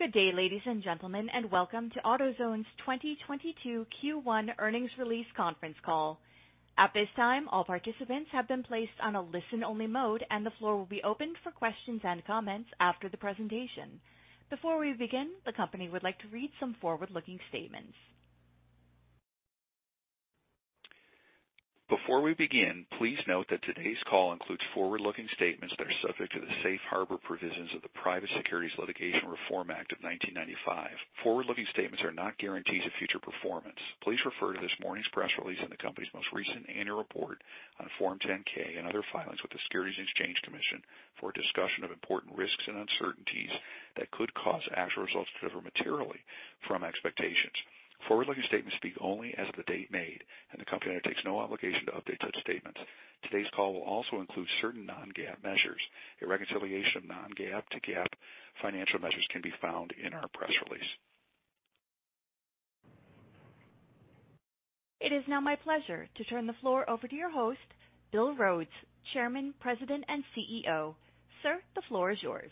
Good day, ladies and gentlemen, and Welcome to AutoZone's 2022 Q1 earnings release conference call. At this time, all participants have been placed on a listen-only mode, and the floor will be opened for questions and comments after the presentation. Before we begin, the company would like to read some forward-looking statements. Before we begin, please note that today's call includes forward-looking statements that are subject to the safe harbor provisions of the Private Securities Litigation Reform Act of 1995. Forward-looking statements are not guarantees of future performance. Please refer to this morning's press release and the company's most recent annual report on Form 10-K and other filings with the Securities and Exchange Commission for a discussion of important risks and uncertainties that could cause actual results to differ materially from expectations. Forward-looking statements speak only as of the date made, and the company undertakes no obligation to update such statements. Today's call will also include certain non-GAAP measures. A reconciliation of non-GAAP to GAAP financial measures can be found in our press release. It is now my pleasure to turn the floor over to your host, Bill Rhodes, Chairman, President, and Chief Executive Officer. Sir, the floor is yours.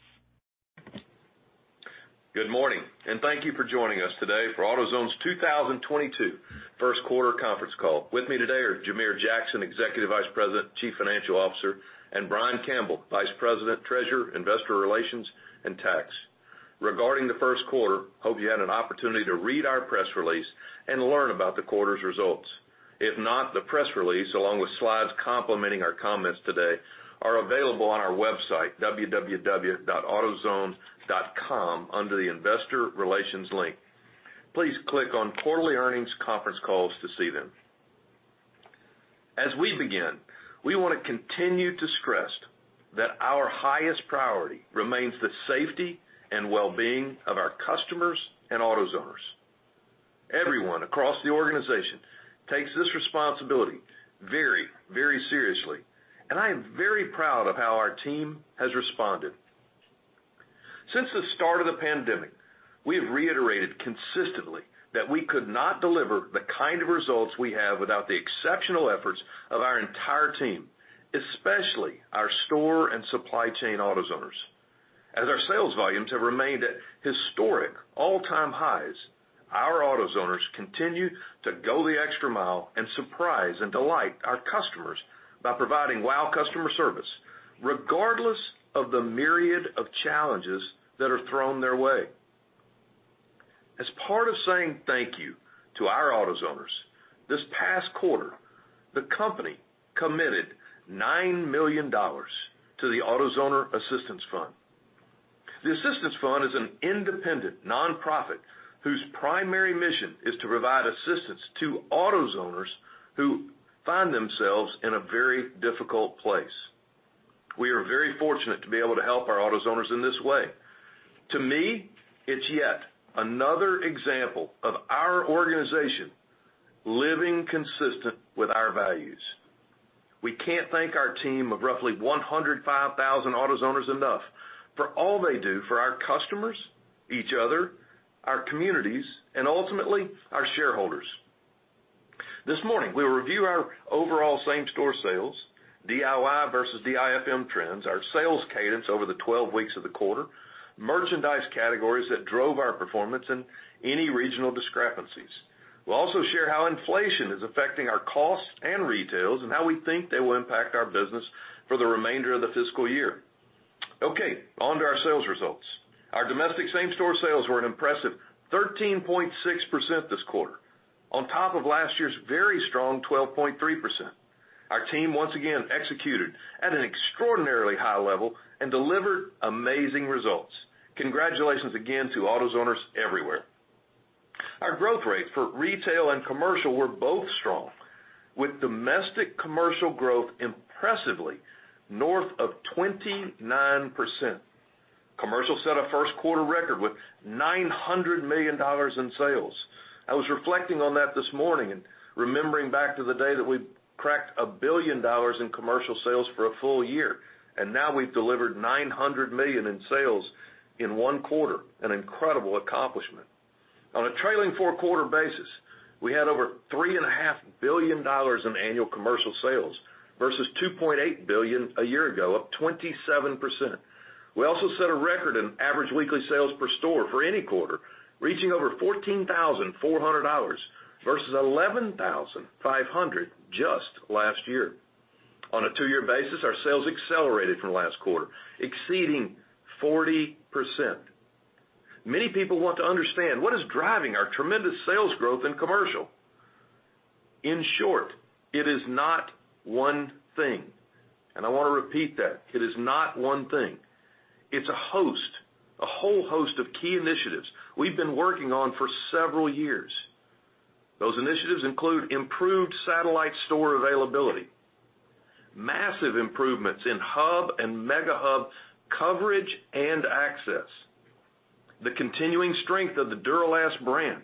Good morning, and Thank you for joining us today for AutoZone's 2022 first quarter conference call. With me today are Jamere Jackson, Executive Vice President, Chief Financial Officer, and Brian Campbell, Vice President, Treasurer, Investor Relations, and Tax. Regarding the first quarter, I hope you had an opportunity to read our press release and learn about the quarter's results. If not, the press release, along with slides complementing our comments today, are available on our website, www.autozone.com, under the Investor Relations link. Please click on Quarterly Earnings Conference Calls to see them. As we begin, we wanna continue to stress that our highest priority remains the safety and well-being of our customers and AutoZoners. Everyone across the organization takes this responsibility very, very seriously, and I am very proud of how our team has responded. Since the start of the pandemic, we have reiterated consistently that we could not deliver the kind of results we have without the exceptional efforts of our entire team, especially our store and supply chain AutoZoners. As our sales volumes have remained at historic all-time highs, our AutoZoners continue to go the extra mile and surprise and delight our customers by providing wow customer service, regardless of the myriad of challenges that are thrown their way. As part of saying thank you to our AutoZoners, this past quarter, the company committed $9 million to the AutoZoner Assistance Fund. The Assistance Fund is an independent nonprofit whose primary mission is to provide assistance to AutoZoners who find themselves in a very difficult place. We are very fortunate to be able to help our AutoZoners in this way. To me, it's yet another example of our organization living consistent with our values. We can't thank our team of roughly 105,000 AutoZoners enough for all they do for our customers, each other, our communities, and ultimately, our shareholders. This morning, we'll review our overall same-store sales, DIY versus DIFM trends, our sales cadence over the 12 weeks of the quarter, merchandise categories that drove our performance, and any regional discrepancies. We'll also share how inflation is affecting our costs and retails and how we think they will impact our business for the remainder of the fiscal year. Okay, on to our sales results. Our domestic same-store sales were an impressive 13.6% this quarter, on top of last year's very strong 12.3%. Our team once again executed at an extraordinarily high level and delivered amazing results. Congratulations again to AutoZoners everywhere. Our growth rates for retail and commercial were both strong, with domestic commercial growth impressively north of 29%. Commercial set a first quarter record with $900 million in sales. I was reflecting on that this morning and remembering back to the day that we cracked $1 billion in commercial sales for a full year, and now we've delivered $900 million in sales in one quarter, an incredible accomplishment. On a trailing four-quarter basis, we had over $3.5 billion in annual commercial sales versus $2.8 billion a year ago, up 27%. We also set a record in average weekly sales per store for any quarter, reaching over $14,400 versus $11,500 just last year. On a two-year basis, our sales accelerated from last quarter, exceeding 40%. Many people want to understand what is driving our tremendous sales growth in commercial. In short, it is not one thing, and I wanna repeat that. It is not one thing. It's a host, a whole host of key initiatives we've been working on for several years. Those initiatives include improved satellite store availability, massive improvements in Hub and Mega Hub coverage and access, the continuing strength of the Duralast brand,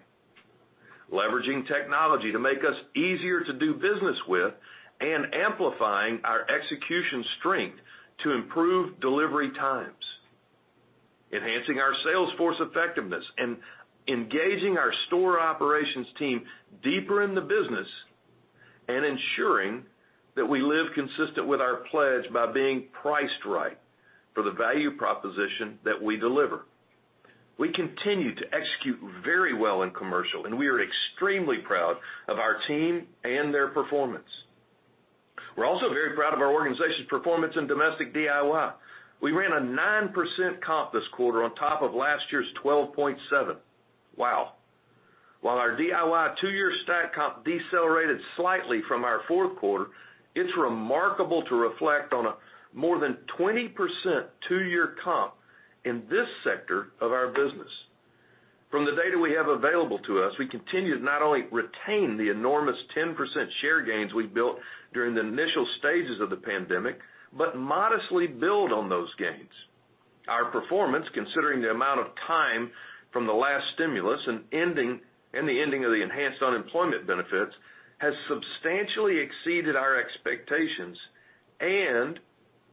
leveraging technology to make us easier to do business with, and amplifying our execution strength to improve delivery times, enhancing our sales force effectiveness, and engaging our store operations team deeper in the business. Ensuring that we live consistent with our pledge by being priced right for the value proposition that we deliver. We continue to execute very well in commercial, and we are extremely proud of our team and their performance. We're also very proud of our organization's performance in domestic DIY. We ran a 9% comp this quarter on top of last year's 12.7. Wow. While our DIY two-year stack comp decelerated slightly from our fourth quarter, it's remarkable to reflect on a more than 20% two-year comp in this sector of our business. From the data we have available to us, we continue to not only retain the enormous 10% share gains we've built during the initial stages of the pandemic, but modestly build on those gains. Our performance, considering the amount of time from the last stimulus and the ending of the enhanced unemployment benefits, has substantially exceeded our expectations and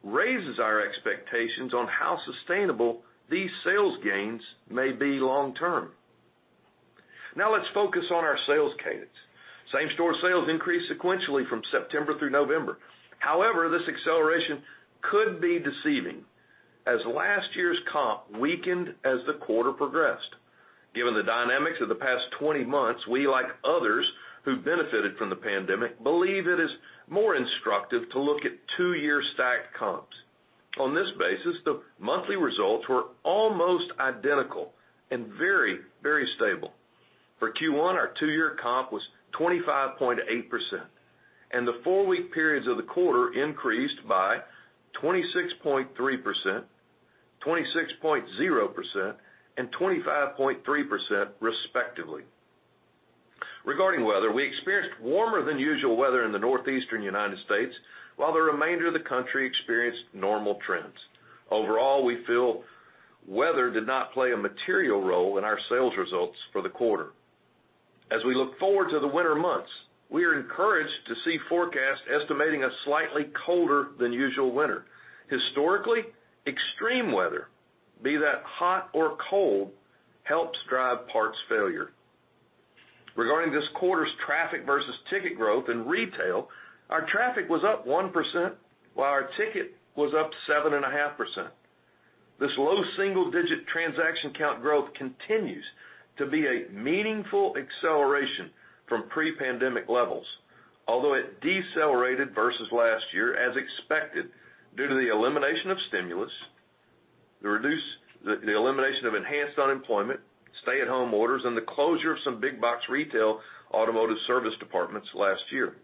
raises our expectations on how sustainable these sales gains may be long term. Now let's focus on our sales cadence. Same-store sales increased sequentially from September through November. However, this acceleration could be deceiving as last year's comp weakened as the quarter progressed. Given the dynamics of the past 20 months, we, like others who benefited from the pandemic, believe it is more instructive to look at two-year stacked comps. On this basis, the monthly results were almost identical and very, very stable. For Q1, our two-year comp was 25.8%, and the four-week periods of the quarter increased by 26.3%, 26.0%, and 25.3% respectively. Regarding weather, we experienced warmer than usual weather in the Northeastern United States, while the remainder of the country experienced normal trends. Overall, we feel weather did not play a material role in our sales results for the quarter. As we look forward to the winter months, we are encouraged to see forecasts estimating a slightly colder than usual winter. Historically, extreme weather, be that hot or cold, helps drive parts failure. Regarding this quarter's traffic versus ticket growth in retail, our traffic was up 1%, while our ticket was up 7.5%. This low single-digit transaction count growth continues to be a meaningful acceleration from pre-pandemic levels, although it decelerated versus last year, as expected, due to the elimination of stimulus, the elimination of enhanced unemployment, stay-at-home orders, and the closure of some big box retail automotive service departments last year.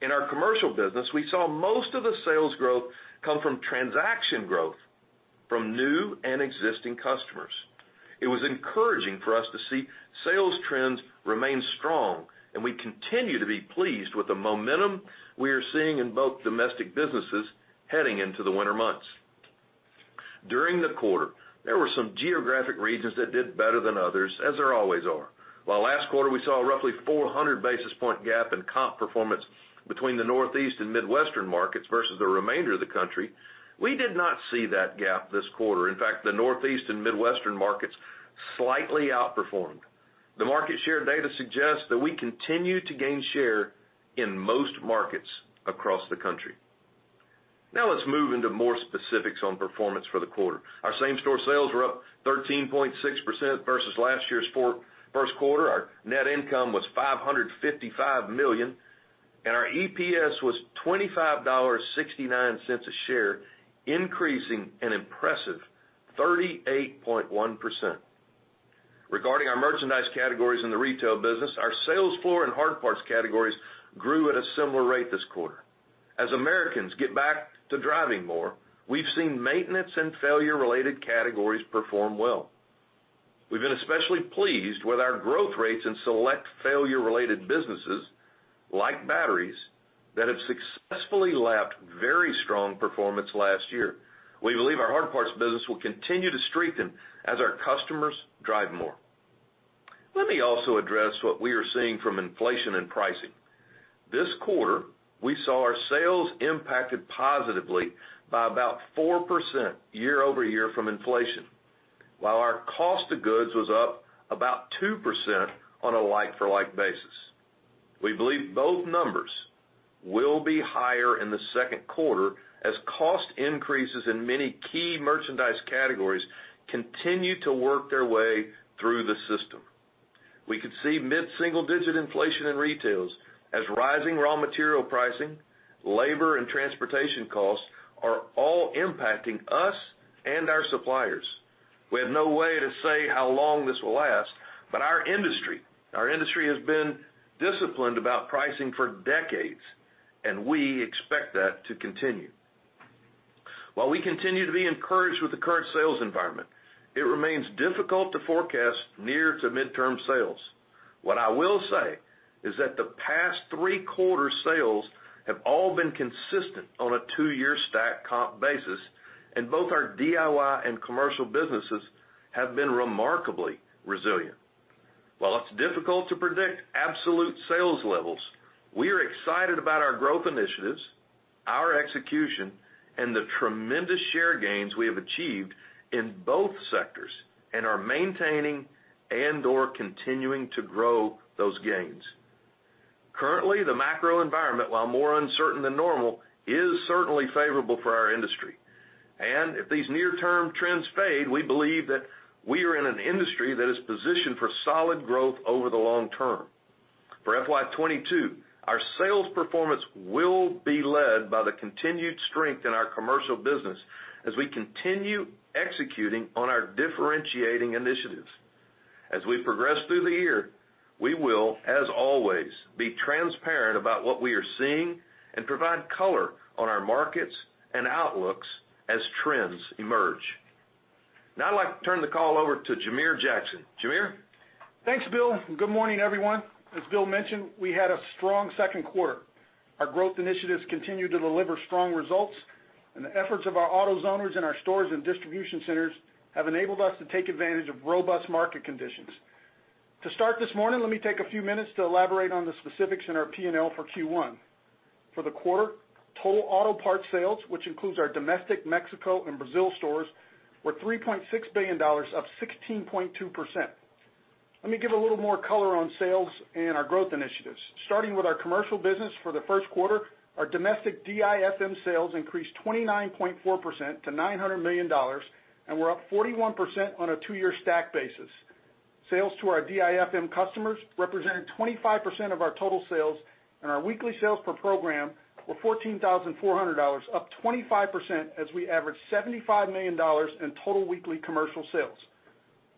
In our commercial business, we saw most of the sales growth come from transaction growth from new and existing customers. It was encouraging for us to see sales trends remain strong, and we continue to be pleased with the momentum we are seeing in both domestic businesses heading into the winter months. During the quarter, there were some geographic regions that did better than others, as there always are. While last quarter we saw a roughly 400 basis point gap in comp performance between the Northeast and Midwestern markets versus the remainder of the country, we did not see that gap this quarter. In fact, the Northeast and Midwestern markets slightly outperformed. The market share data suggests that we continue to gain share in most markets across the country. Now let's move into more specifics on performance for the quarter. Our same-store sales were up 13.6% versus last year's first quarter. Our net income was $555 million, and our EPS was $25.69 a share, increasing an impressive 38.1%. Regarding our merchandise categories in the retail business, our sales floor and hard parts categories grew at a similar rate this quarter. As Americans get back to driving more, we've seen maintenance and failure-related categories perform well. We've been especially pleased with our growth rates in select failure-related businesses, like batteries, that have successfully lapped very strong performance last year. We believe our hard parts business will continue to strengthen as our customers drive more. Let me also address what we are seeing from inflation and pricing. This quarter, we saw our sales impacted positively by about 4% year-over-year from inflation, while our cost of goods was up about 2% on a like-for-like basis. We believe both numbers will be higher in the second quarter as cost increases in many key merchandise categories continue to work their way through the system. We could see mid-single digit inflation in retail as rising raw material pricing, labor, and transportation costs are all impacting us and our suppliers. We have no way to say how long this will last, but our industry has been disciplined about pricing for decades, and we expect that to continue. While we continue to be encouraged with the current sales environment, it remains difficult to forecast near- to mid-term sales. What I will say is that the past three quarters' sales have all been consistent on a two-year stacked comp basis, and both our DIY and commercial businesses have been remarkably resilient. While it's difficult to predict absolute sales levels, we are excited about our growth initiatives. Our execution and the tremendous share gains we have achieved in both sectors and are maintaining and/or continuing to grow those gains. Currently, the macro environment, while more uncertain than normal, is certainly favorable for our industry. If these near-term trends fade, we believe that we are in an industry that is positioned for solid growth over the long term. For FY 2022, our sales performance will be led by the continued strength in our commercial business as we continue executing on our differentiating initiatives. As we progress through the year, we will, as always, be transparent about what we are seeing and provide color on our markets and outlooks as trends emerge. Now I'd like to turn the call over to Jamere Jackson. Jamere? Thanks, Bill, and good morning, everyone. As Bill mentioned, we had a strong second quarter. Our growth initiatives continue to deliver strong results, and the efforts of our AutoZoners in our stores and distribution centers have enabled us to take advantage of robust market conditions. To start this morning, let me take a few minutes to elaborate on the specifics in our P&L for Q1. For the quarter, total auto parts sales, which includes our domestic Mexico and Brazil stores, were $3.6 billion, up 16.2%. Let me give a little more color on sales and our growth initiatives. Starting with our commercial business for the first quarter, our domestic DIFM sales increased 29.4% to $900 million, and we're up 41% on a two-year stack basis. Sales to our DIFM customers represented 25% of our total sales, and our weekly sales per program were $14,400, up 25% as we averaged $75 million in total weekly commercial sales.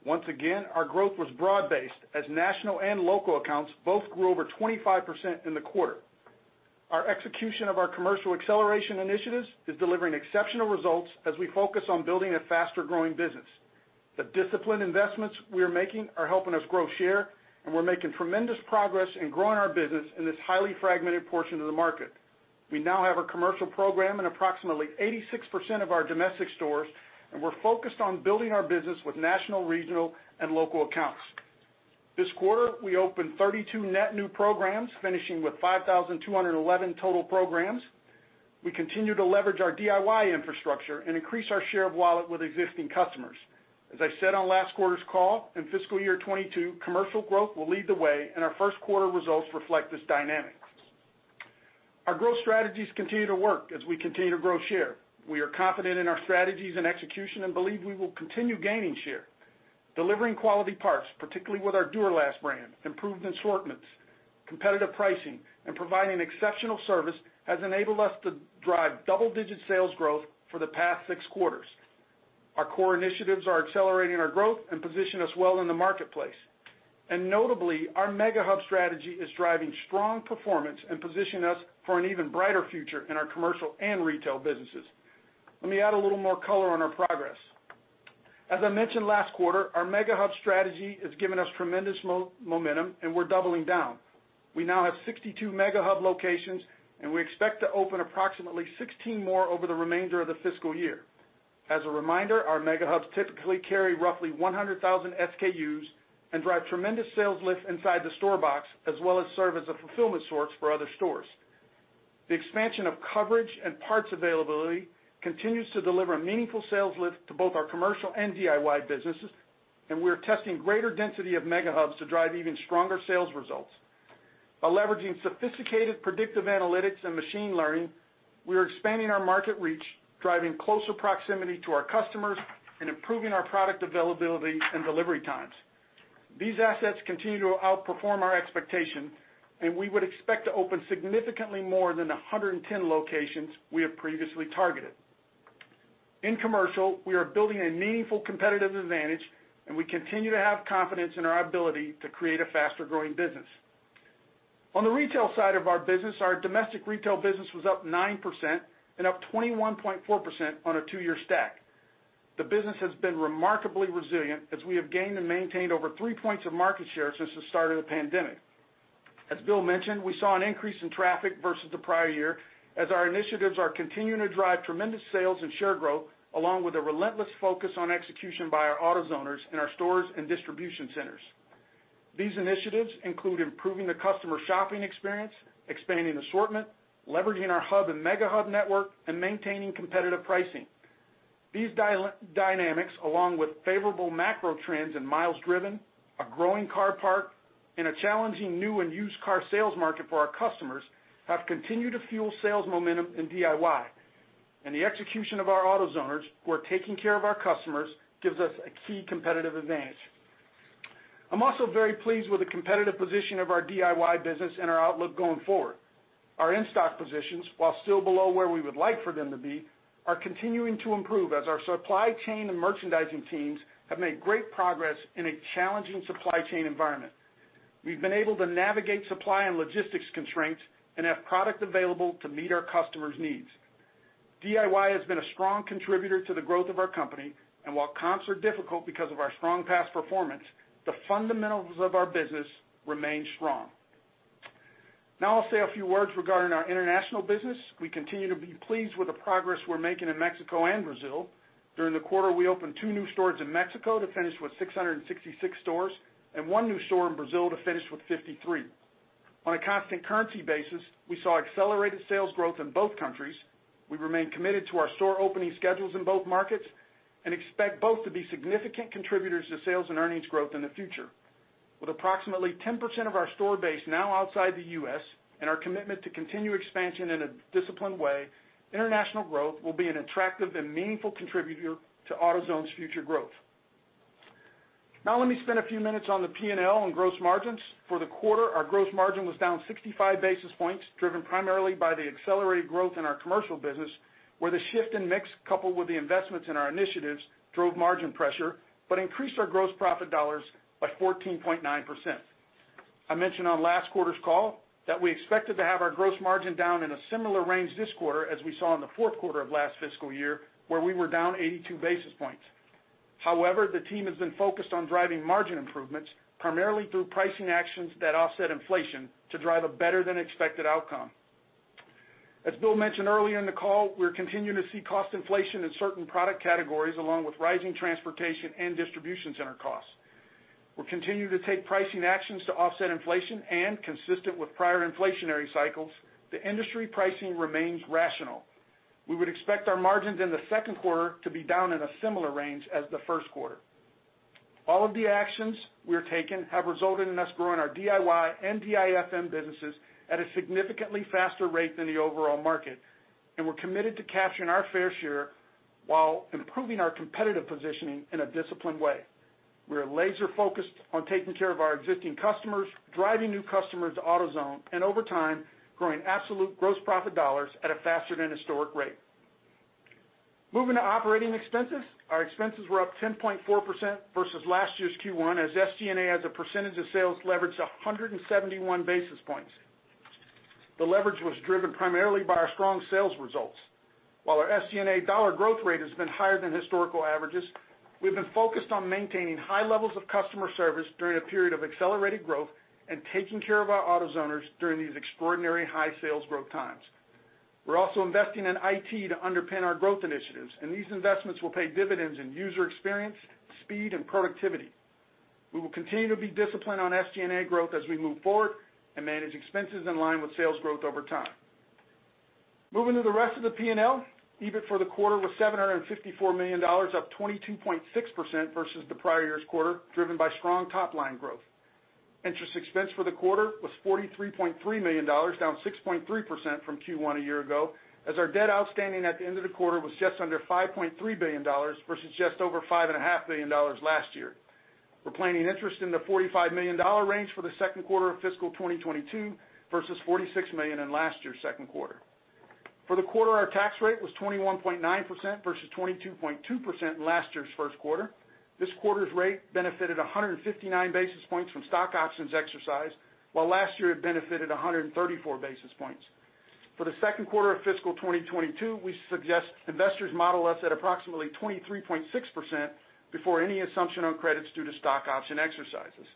Once again, our growth was broad-based as national and local accounts both grew over 25% in the quarter. Our execution of our commercial acceleration initiatives is delivering exceptional results as we focus on building a faster-growing business. The disciplined investments we are making are helping us grow share, and we're making tremendous progress in growing our business in this highly fragmented portion of the market. We now have a commercial program in approximately 86% of our domestic stores, and we're focused on building our business with national, regional, and local accounts. This quarter, we opened 32 net new programs, finishing with 5,211 total programs. We continue to leverage our DIY infrastructure and increase our share of wallet with existing customers. As I said on last quarter's call, in fiscal year 2022, commercial growth will lead the way, and our first quarter results reflect this dynamic. Our growth strategies continue to work as we continue to grow share. We are confident in our strategies and execution and believe we will continue gaining share. Delivering quality parts, particularly with our Duralast brand, improved assortments, competitive pricing, and providing exceptional service has enabled us to drive double-digit sales growth for the past six quarters. Our core initiatives are accelerating our growth and position us well in the marketplace. Notably, our Mega Hub strategy is driving strong performance and positioning us for an even brighter future in our commercial and retail businesses. Let me add a little more color on our progress. As I mentioned last quarter, our Mega Hub strategy has given us tremendous momentum, and we're doubling down. We now have 62 Mega Hub locations, and we expect to open approximately 16 more over the remainder of the fiscal year. As a reminder, our Mega Hubs typically carry roughly 100,000 SKUs and drive tremendous sales lift inside the store box, as well as serve as a fulfillment source for other stores. The expansion of coverage and parts availability continues to deliver meaningful sales lift to both our commercial and DIY businesses, and we are testing greater density of Mega Hubs to drive even stronger sales results. By leveraging sophisticated predictive analytics and machine learning, we are expanding our market reach, driving closer proximity to our customers, and improving our product availability and delivery times. These assets continue to outperform our expectation, and we would expect to open significantly more than the 110 locations we have previously targeted. In commercial, we are building a meaningful competitive advantage, and we continue to have confidence in our ability to create a faster-growing business. On the retail side of our business, our domestic retail business was up 9% and up 21.4% on a two-year stack. The business has been remarkably resilient as we have gained and maintained over three points of market share since the start of the pandemic. As Bill mentioned, we saw an increase in traffic versus the prior year as our initiatives are continuing to drive tremendous sales and share growth, along with a relentless focus on execution by our AutoZoners in our stores and distribution centers. These initiatives include improving the customer shopping experience, expanding assortment, leveraging our Hub and Mega Hub network, and maintaining competitive pricing. These dynamics, along with favorable macro trends and miles driven, a growing car park, and a challenging new and used car sales market for our customers, have continued to fuel sales momentum in DIY. The execution of our AutoZoners who are taking care of our customers gives us a key competitive advantage. I'm also very pleased with the competitive position of our DIY business and our outlook going forward. Our in-stock positions, while still below where we would like for them to be, are continuing to improve as our supply chain and merchandising teams have made great progress in a challenging supply chain environment. We've been able to navigate supply and logistics constraints and have product available to meet our customers' needs. DIY has been a strong contributor to the growth of our company, and while comps are difficult because of our strong past performance, the fundamentals of our business remain strong. Now I'll say a few words regarding our international business. We continue to be pleased with the progress we're making in Mexico and Brazil. During the quarter, we opened two new stores in Mexico to finish with 666 stores and one new store in Brazil to finish with 53. On a constant currency basis, we saw accelerated sales growth in both countries. We remain committed to our store opening schedules in both markets and expect both to be significant contributors to sales and earnings growth in the future. With approximately 10% of our store base now outside the U.S., and our commitment to continued expansion in a disciplined way, international growth will be an attractive and meaningful contributor to AutoZone's future growth. Now let me spend a few minutes on the P&L and gross margins. For the quarter, our gross margin was down 65 basis points, driven primarily by the accelerated growth in our commercial business, where the shift in mix, coupled with the investments in our initiatives, drove margin pressure but increased our gross profit dollars by 14.9%. I mentioned on last quarter's call that we expected to have our gross margin down in a similar range this quarter as we saw in the fourth quarter of last fiscal year, where we were down 82 basis points. However, the team has been focused on driving margin improvements primarily through pricing actions that offset inflation to drive a better than expected outcome. As Bill mentioned earlier in the call, we're continuing to see cost inflation in certain product categories, along with rising transportation and distribution center costs. We're continuing to take pricing actions to offset inflation and consistent with prior inflationary cycles, the industry pricing remains rational. We would expect our margins in the second quarter to be down in a similar range as the first quarter. All of the actions we are taking have resulted in us growing our DIY and DIFM businesses at a significantly faster rate than the overall market, and we're committed to capturing our fair share while improving our competitive positioning in a disciplined way. We are laser-focused on taking care of our existing customers, driving new customers to AutoZone, and over time, growing absolute gross profit dollars at a faster than historic rate. Moving to operating expenses. Our expenses were up 10.4% versus last year's Q1 and SG&A as a percentage of sales leveraged 171 basis points. The leverage was driven primarily by our strong sales results. While our SG&A dollar growth rate has been higher than historical averages, we've been focused on maintaining high levels of customer service during a period of accelerated growth and taking care of our AutoZoners during these extraordinary high sales growth times. We're also investing in IT to underpin our growth initiatives, and these investments will pay dividends in user experience, speed, and productivity. We will continue to be disciplined on SG&A growth as we move forward and manage expenses in line with sales growth over time. Moving to the rest of the P&L, EBIT for the quarter was $754 million, up 22.6% versus the prior year's quarter, driven by strong top-line growth. Interest expense for the quarter was $43.3 million, down 6.3% from Q1 a year ago as our debt outstanding at the end of the quarter was just under $5.3 billion versus just over $5.5 billion last year. We're planning interest in the $45 million range for the second quarter of fiscal 2022 versus $46 million in last year's second quarter. For the quarter, our tax rate was 21.9% versus 22.2% in last year's first quarter. This quarter's rate benefited 159 basis points from stock options exercised, while last year it benefited 134 basis points. For the second quarter of FY 2022, we suggest investors model us at approximately 23.6% before any assumption on credits due to stock option exercises.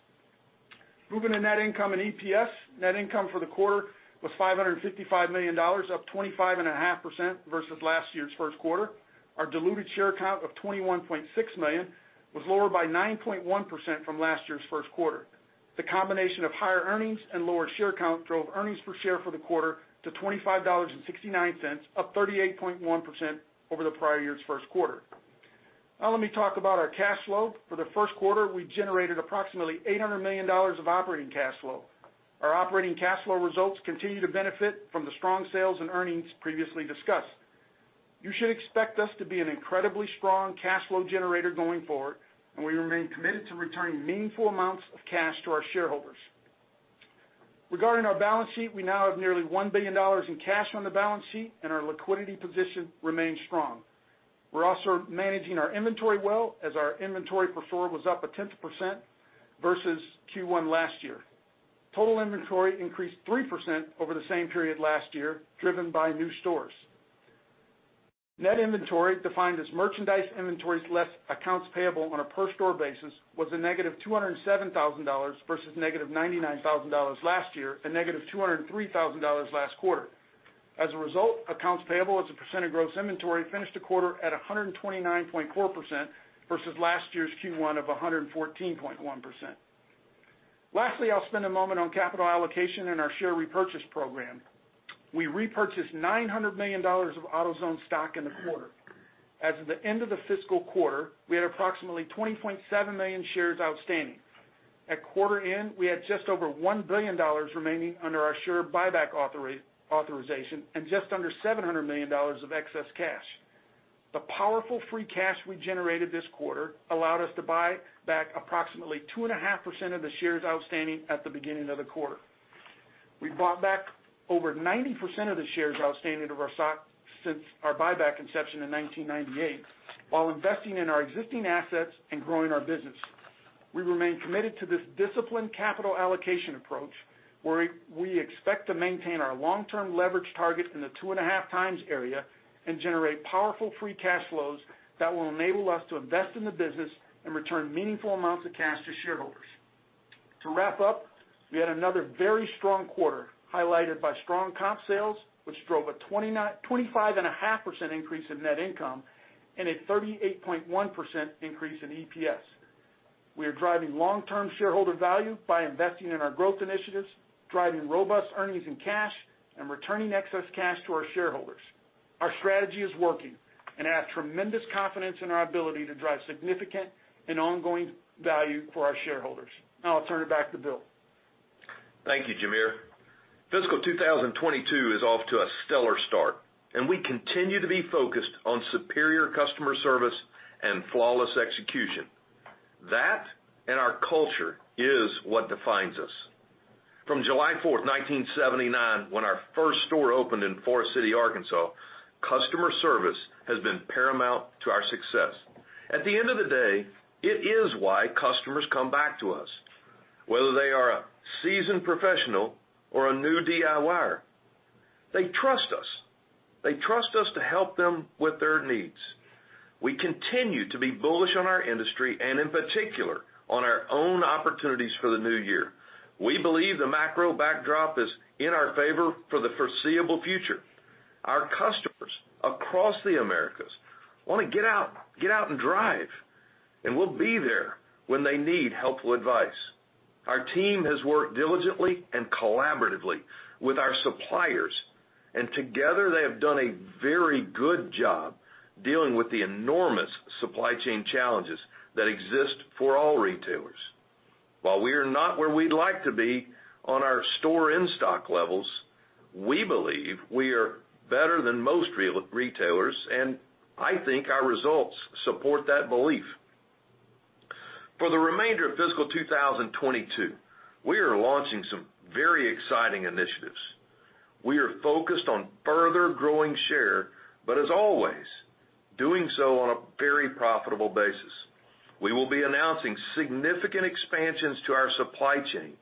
Moving to net income and EPS. Net income for the quarter was $555 million, up 25.5% versus last year's first quarter. Our diluted share count of 21.6 million was lower by 9.1% from last year's first quarter. The combination of higher earnings and lower share count drove earnings per share for the quarter to $25.69, up 38.1% over the prior year's first quarter. Now let me talk about our cash flow. For the first quarter, we generated approximately $800 million of operating cash flow. Our operating cash flow results continue to benefit from the strong sales and earnings previously discussed. You should expect us to be an incredibly strong cash flow generator going forward, and we remain committed to returning meaningful amounts of cash to our shareholders. Regarding our balance sheet, we now have nearly $1 billion in cash on the balance sheet, and our liquidity position remains strong. We're also managing our inventory well as our inventory per store was up 0.1% versus Q1 last year. Total inventory increased 3% over the same period last year driven by new stores. Net inventory, defined as merchandise inventories less accounts payable on a per store basis, was a -$207,000 versus -$99,000 last year and -$203,000 last quarter. As a result, accounts payable as a percent of gross inventory finished the quarter at 129.4% versus last year's Q1 of 114.1%. Lastly, I'll spend a moment on capital allocation and our share repurchase program. We repurchased $900 million of AutoZone stock in the quarter. As of the end of the fiscal quarter, we had approximately 20.7 million shares outstanding. At quarter end, we had just over $1 billion remaining under our share buyback authorization and just under $700 million of excess cash. The powerful free cash we generated this quarter allowed us to buy back approximately 2.5% of the shares outstanding at the beginning of the quarter. We bought back over 90% of the shares outstanding of our stock since our buyback inception in 1998 while investing in our existing assets and growing our business. We remain committed to this disciplined capital allocation approach, where we expect to maintain our long-term leverage target in the 2.5x area and generate powerful free cash flows that will enable us to invest in the business and return meaningful amounts of cash to shareholders. To wrap up, we had another very strong quarter highlighted by strong comp sales, which drove a 25.5% increase in net income and a 38.1% increase in EPS. We are driving long-term shareholder value by investing in our growth initiatives, driving robust earnings and cash, and returning excess cash to our shareholders. Our strategy is working, and I have tremendous confidence in our ability to drive significant and ongoing value for our shareholders. Now I'll turn it back to Bill. Thank you, Jamere. FY 2022 is off to a stellar start, and we continue to be focused on superior customer service and flawless execution. That and our culture is what defines us. From July 4, 1979, when our first store opened in Forest City, Arkansas, customer service has been paramount to our success. At the end of the day, it is why customers come back to us, whether they are a seasoned professional or a new DIYer. They trust us. They trust us to help them with their needs. We continue to be bullish on our industry and in particular, on our own opportunities for the new year. We believe the macro backdrop is in our favor for the foreseeable future. Our customers across the Americas wanna get out, get out, and drive, and we'll be there when they need helpful advice. Our team has worked diligently and collaboratively with our suppliers, and together they have done a very good job dealing with the enormous supply chain challenges that exist for all retailers. While we are not where we'd like to be on our store in-stock levels, we believe we are better than most retailers, and I think our results support that belief. For the remainder of fiscal 2022, we are launching some very exciting initiatives. We are focused on further growing share, but as always, doing so on a very profitable basis. We will be announcing significant expansions to our supply chain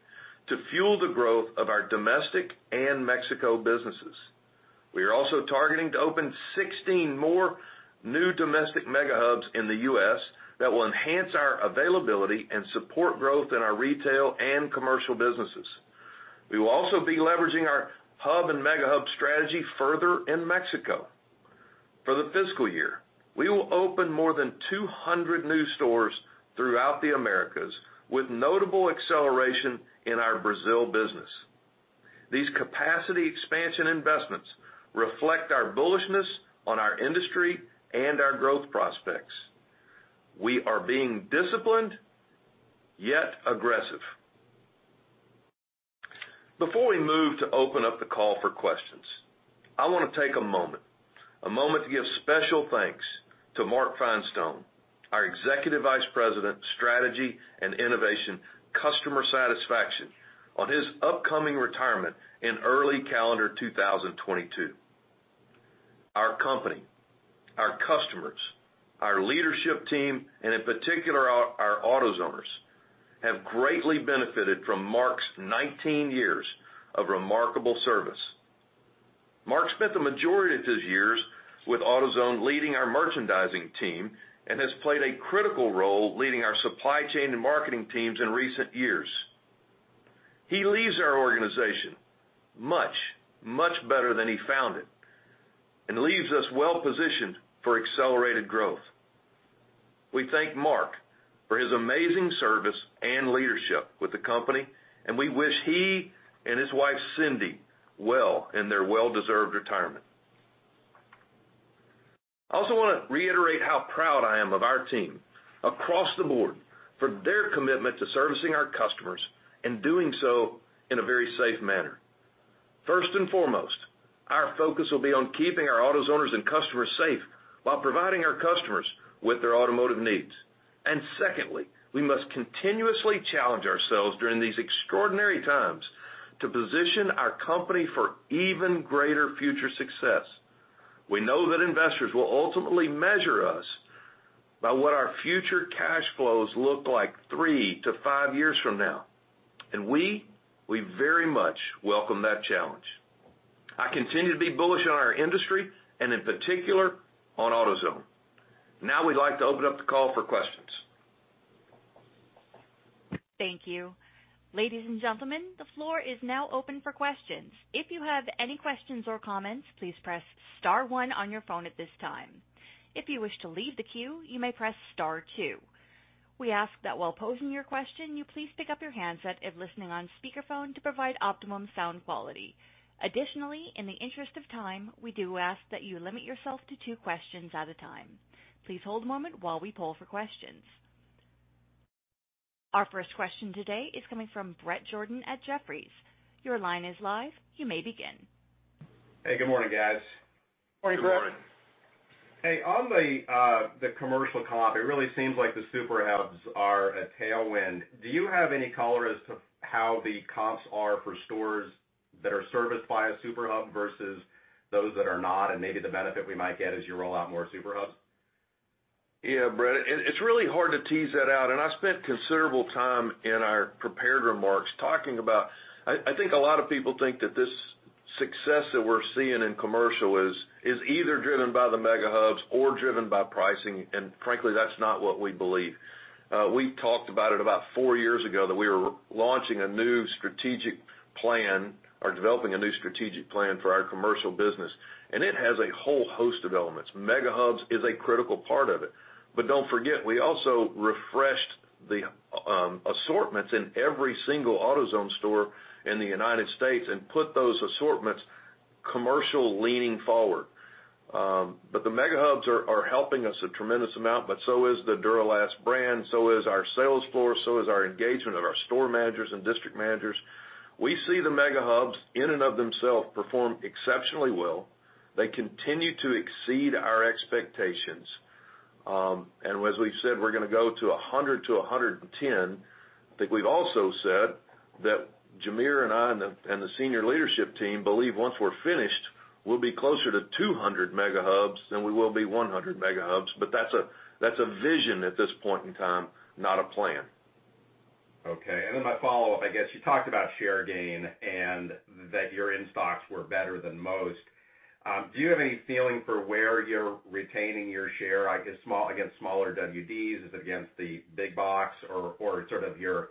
to fuel the growth of our domestic and Mexico businesses. We are also targeting to open 16 more new domestic Mega Hubs in the U.S. that will enhance our availability and support growth in our retail and commercial businesses. We will also be leveraging our Hub and Mega Hub strategy further in Mexico. For the fiscal year, we will open more than 200 new stores throughout the Americas, with notable acceleration in our Brazil business. These capacity expansion investments reflect our bullishness on our industry and our growth prospects. We are being disciplined, yet aggressive. Before we move to open up the call for questions, I wanna take a moment to give special thanks to Mark Finestone, our Executive Vice President, Strategy and Innovation, Customer Satisfaction, on his upcoming retirement in early calendar 2022. Our company, our customers, our leadership team, and in particular our AutoZoners, have greatly benefited from Mark's 19 years of remarkable service. Mark spent the majority of his years with AutoZone leading our merchandising team and has played a critical role leading our supply chain and marketing teams in recent years. He leaves our organization much, much better than he found it, and leaves us well-positioned for accelerated growth. We thank Mark for his amazing service and leadership with the company, and we wish he and his wife, Cindy, well in their well-deserved retirement. I also wanna reiterate how proud I am of our team across the board for their commitment to servicing our customers and doing so in a very safe manner. First and foremost, our focus will be on keeping our AutoZoners and customers safe while providing our customers with their automotive needs. Secondly, we must continuously challenge ourselves during these extraordinary times to position our company for even greater future success. We know that investors will ultimately measure us by what our future cash flows look like three to five years from now, and we very much welcome that challenge. I continue to be bullish on our industry and in particular, on AutoZone. Now we'd like to open up the call for questions. Thank you. Ladies and gentlemen, the floor is now open for questions. If you have any questions or comments, please press star one on your phone at this time. If you wish to leave the queue, you may press star two. We ask that while posing your question, you please pick up your handset if listening on speakerphone to provide optimum sound quality. Additionally, in the interest of time, we do ask that you limit yourself to two questions at a time. Please hold a moment while we poll for questions. Our first question today is coming from Bret Jordan at Jefferies. Your line is live. You may begin. Hey, good morning, guys. Good morning, Bret. Good morning. Hey, on the commercial comp, it really seems like the Mega Hubs are a tailwind. Do you have any color as to how the comps are for stores that are serviced by a Super Hub versus those that are not, and maybe the benefit we might get as you roll out more Mega Hubs? Yeah, Bret, it's really hard to tease that out, and I spent considerable time in our prepared remarks talking about. I think a lot of people think that this success that we're seeing in commercial is either driven by the Mega Hubs or driven by pricing, and frankly, that's not what we believe. We talked about it about four years ago that we were launching a new strategic plan or developing a new strategic plan for our commercial business, and it has a whole host of elements. Mega Hubs is a critical part of it. Don't forget, we also refreshed the assortments in every single AutoZone store in the United States and put those assortments commercial leaning forward. The Mega Hubs are helping us a tremendous amount, but so is the Duralast brand, so is our sales floor, so is our engagement of our store managers and district managers. We see the Mega Hubs in and of themselves perform exceptionally well. They continue to exceed our expectations. As we've said, we're gonna go to 100-110. I think we've also said that Jamere and I and the senior leadership team believe once we're finished, we'll be closer to 200 Mega Hubs than we will be 100 Mega Hubs. That's a vision at this point in time, not a plan. Okay. My follow-up, I guess you talked about share gain and that your in-stocks were better than most. Do you have any feeling for where you're retaining your share, I guess, against smaller WDs? Is it against the big box or sort of your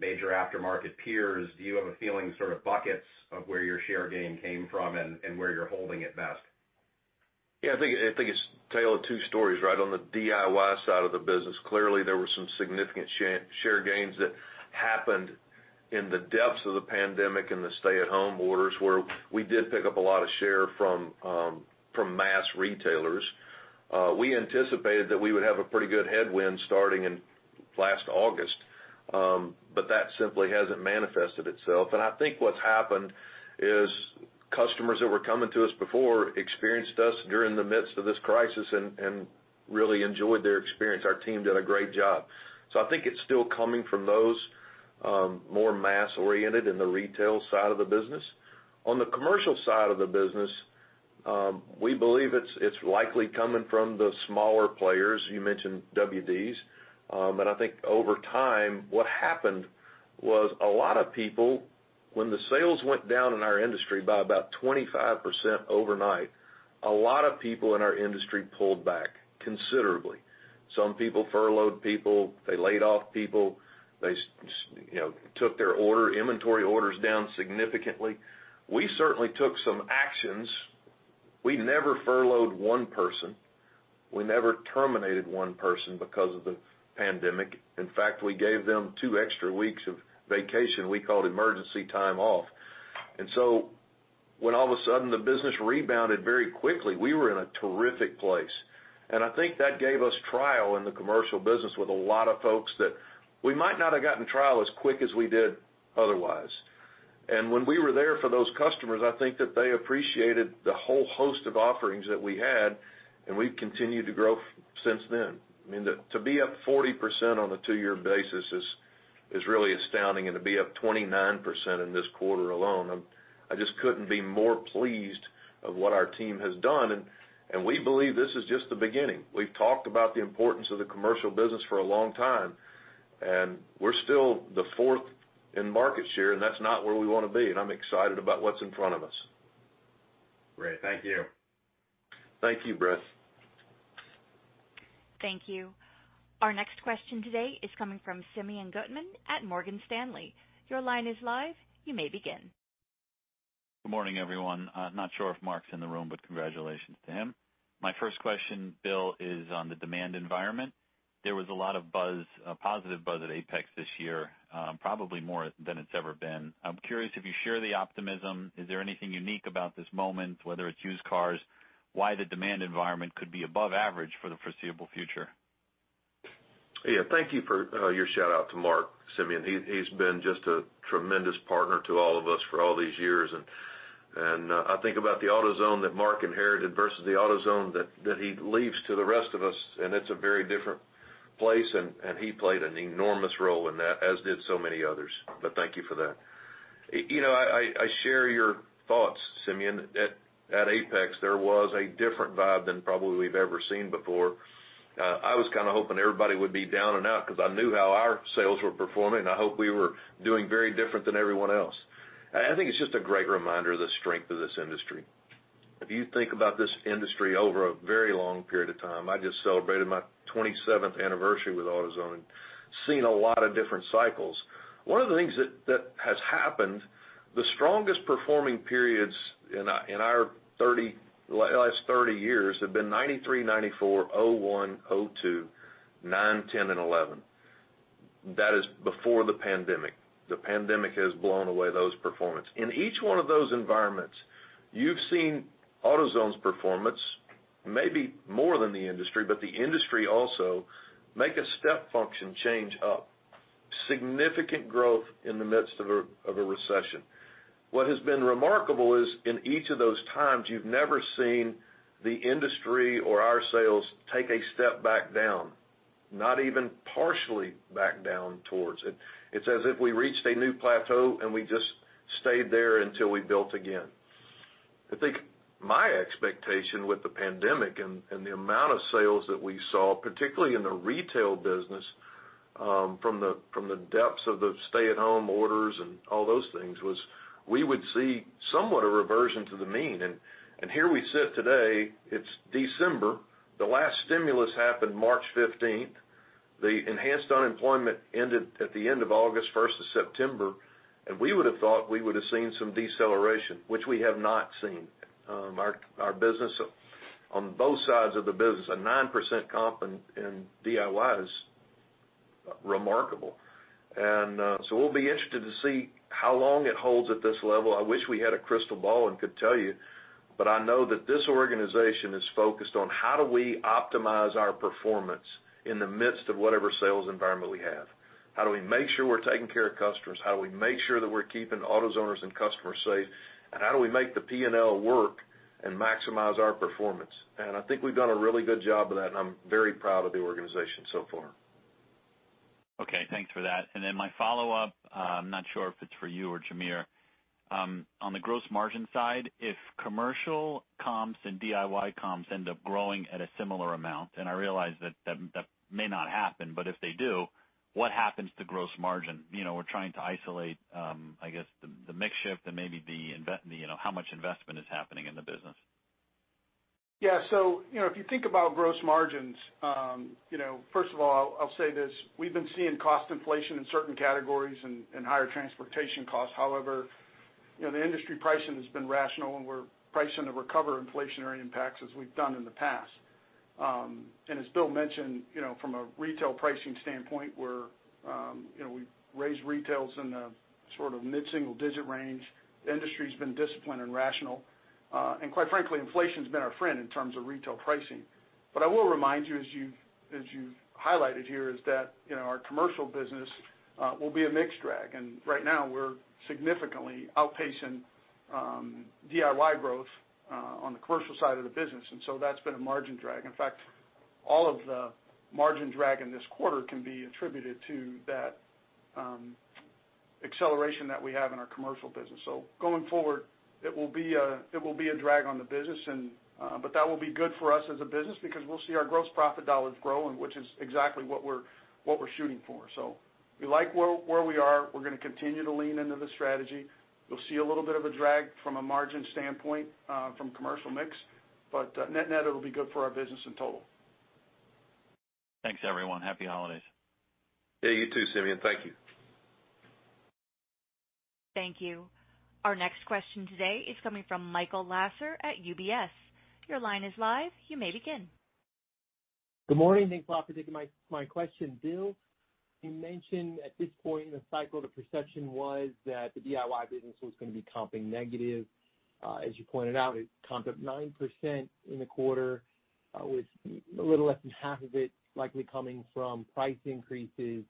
major aftermarket peers? Do you have a feeling sort of buckets of where your share gain came from and where you're holding it best? Yeah, I think it's a tale of two stories, right? On the DIY side of the business, clearly there were some significant share gains that happened in the depths of the pandemic and the stay-at-home orders, where we did pick up a lot of share from mass retailers. We anticipated that we would have a pretty good headwind starting in last August, but that simply hasn't manifested itself. I think what's happened is customers that were coming to us before experienced us during the midst of this crisis and really enjoyed their experience. Our team did a great job. I think it's still coming from those more mass-oriented in the retail side of the business. On the commercial side of the business, we believe it's likely coming from the smaller players. You mentioned WDs. I think over time, what happened was a lot of people, when the sales went down in our industry by about 25% overnight, a lot of people in our industry pulled back considerably. Some people furloughed people, they laid off people. You know, took their order, inventory orders down significantly. We certainly took some actions. We never furloughed one person. We never terminated one person because of the pandemic. In fact, we gave them two extra weeks of vacation we called emergency time off. When all of a sudden the business rebounded very quickly, we were in a terrific place. I think that gave us trial in the commercial business with a lot of folks that we might not have gotten trial as quick as we did otherwise. When we were there for those customers, I think that they appreciated the whole host of offerings that we had, and we've continued to grow since then. I mean, to be up 40% on a two-year basis is really astounding and to be up 29% in this quarter alone, I'm just couldn't be more pleased with what our team has done. We believe this is just the beginning. We've talked about the importance of the commercial business for a long time, and we're still the fourth in market share, and that's not where we wanna be. I'm excited about what's in front of us. Great. Thank you. Thank you, Bret. Thank you. Our next question today is coming from Simeon Gutman at Morgan Stanley. Your line is live. You may begin. Good morning, everyone. Not sure if Mark's in the room, but congratulations to him. My first question, Bill, is on the demand environment. There was a lot of buzz, a positive buzz at AAPEX this year, probably more than it's ever been. I'm curious if you share the optimism. Is there anything unique about this moment, whether it's used cars, why the demand environment could be above average for the foreseeable future? Yeah. Thank you for your shout-out to Mark, Simeon. He's been just a tremendous partner to all of us for all these years. I think about the AutoZone that Mark inherited versus the AutoZone that he leaves to the rest of us, and it's a very different place, and he played an enormous role in that, as did so many others. Thank you for that. You know, I share your thoughts, Simeon. At AAPEX, there was a different vibe than probably we've ever seen before. I was kinda hoping everybody would be down and out because I knew how our sales were performing. I hope we were doing very different than everyone else. I think it's just a great reminder of the strength of this industry. If you think about this industry over a very long period of time, I just celebrated my 27th anniversary with AutoZone, seen a lot of different cycles. One of the things that has happened, the strongest performing periods in our last 30 years have been 1993, 1994, 2001, 2002, 2009, 2010, and 2011. That is before the pandemic. The pandemic has blown away those performance. In each one of those environments, you've seen AutoZone's performance, maybe more than the industry, but the industry also make a step function change up. Significant growth in the midst of a recession. What has been remarkable is in each of those times, you've never seen the industry or our sales take a step back down, not even partially back down towards it. It's as if we reached a new plateau and we just stayed there until we built again. I think my expectation with the pandemic and the amount of sales that we saw, particularly in the retail business, from the depths of the stay-at-home orders and all those things, was we would see somewhat a reversion to the mean. Here we sit today. It's December. The last stimulus happened March 15th. The enhanced unemployment ended at the end of August, first of September. We would have thought we would have seen some deceleration, which we have not seen. Our business. On both sides of the business, a 9% comp in DIY is remarkable. We'll be interested to see how long it holds at this level. I wish we had a crystal ball and could tell you, but I know that this organization is focused on how do we optimize our performance in the midst of whatever sales environment we have? How do we make sure we're taking care of customers? How do we make sure that we're keeping AutoZoners and customers safe? How do we make the P&L work and maximize our performance? I think we've done a really good job of that, and I'm very proud of the organization so far. Okay, thanks for that. Then my follow-up, I'm not sure if it's for you or Jamere. On the gross margin side, if commercial comps and DIY comps end up growing at a similar amount, and I realize that may not happen, but if they do, what happens to gross margin? You know, we're trying to isolate, I guess the mix shift and maybe the, you know, how much investment is happening in the business. Yeah. You know, if you think about gross margins, you know, first of all, I'll say this, we've been seeing cost inflation in certain categories and higher transportation costs. However, you know, the industry pricing has been rational, and we're pricing to recover inflationary impacts as we've done in the past. As Bill mentioned, you know, from a retail pricing standpoint, we're, you know, we've raised retails in the sort of mid-single digit range. The industry's been disciplined and rational, and quite frankly, inflation's been our friend in terms of retail pricing. I will remind you, as you highlighted here, is that, you know, our commercial business will be a mix drag. Right now, we're significantly outpacing DIY growth on the commercial side of the business. That's been a margin drag. In fact, all of the margin drag in this quarter can be attributed to that, acceleration that we have in our commercial business. Going forward, it will be a drag on the business and but that will be good for us as a business because we'll see our gross profit dollars grow and which is exactly what we're shooting for. We like where we are. We're gonna continue to lean into the strategy. We'll see a little bit of a drag from a margin standpoint, from commercial mix, but, net-net, it'll be good for our business in total. Thanks, everyone. Happy holidays. Yeah, you too, Simeon. Thank you. Thank you. Our next question today is coming from Michael Lasser at UBS. Your line is live. You may begin. Good morning. Thanks a lot for taking my question. Bill, you mentioned at this point in the cycle, the perception was that the DIY business was gonna be comping negative. As you pointed out, it comped up 9% in the quarter, with a little less than half of it likely coming from price increases.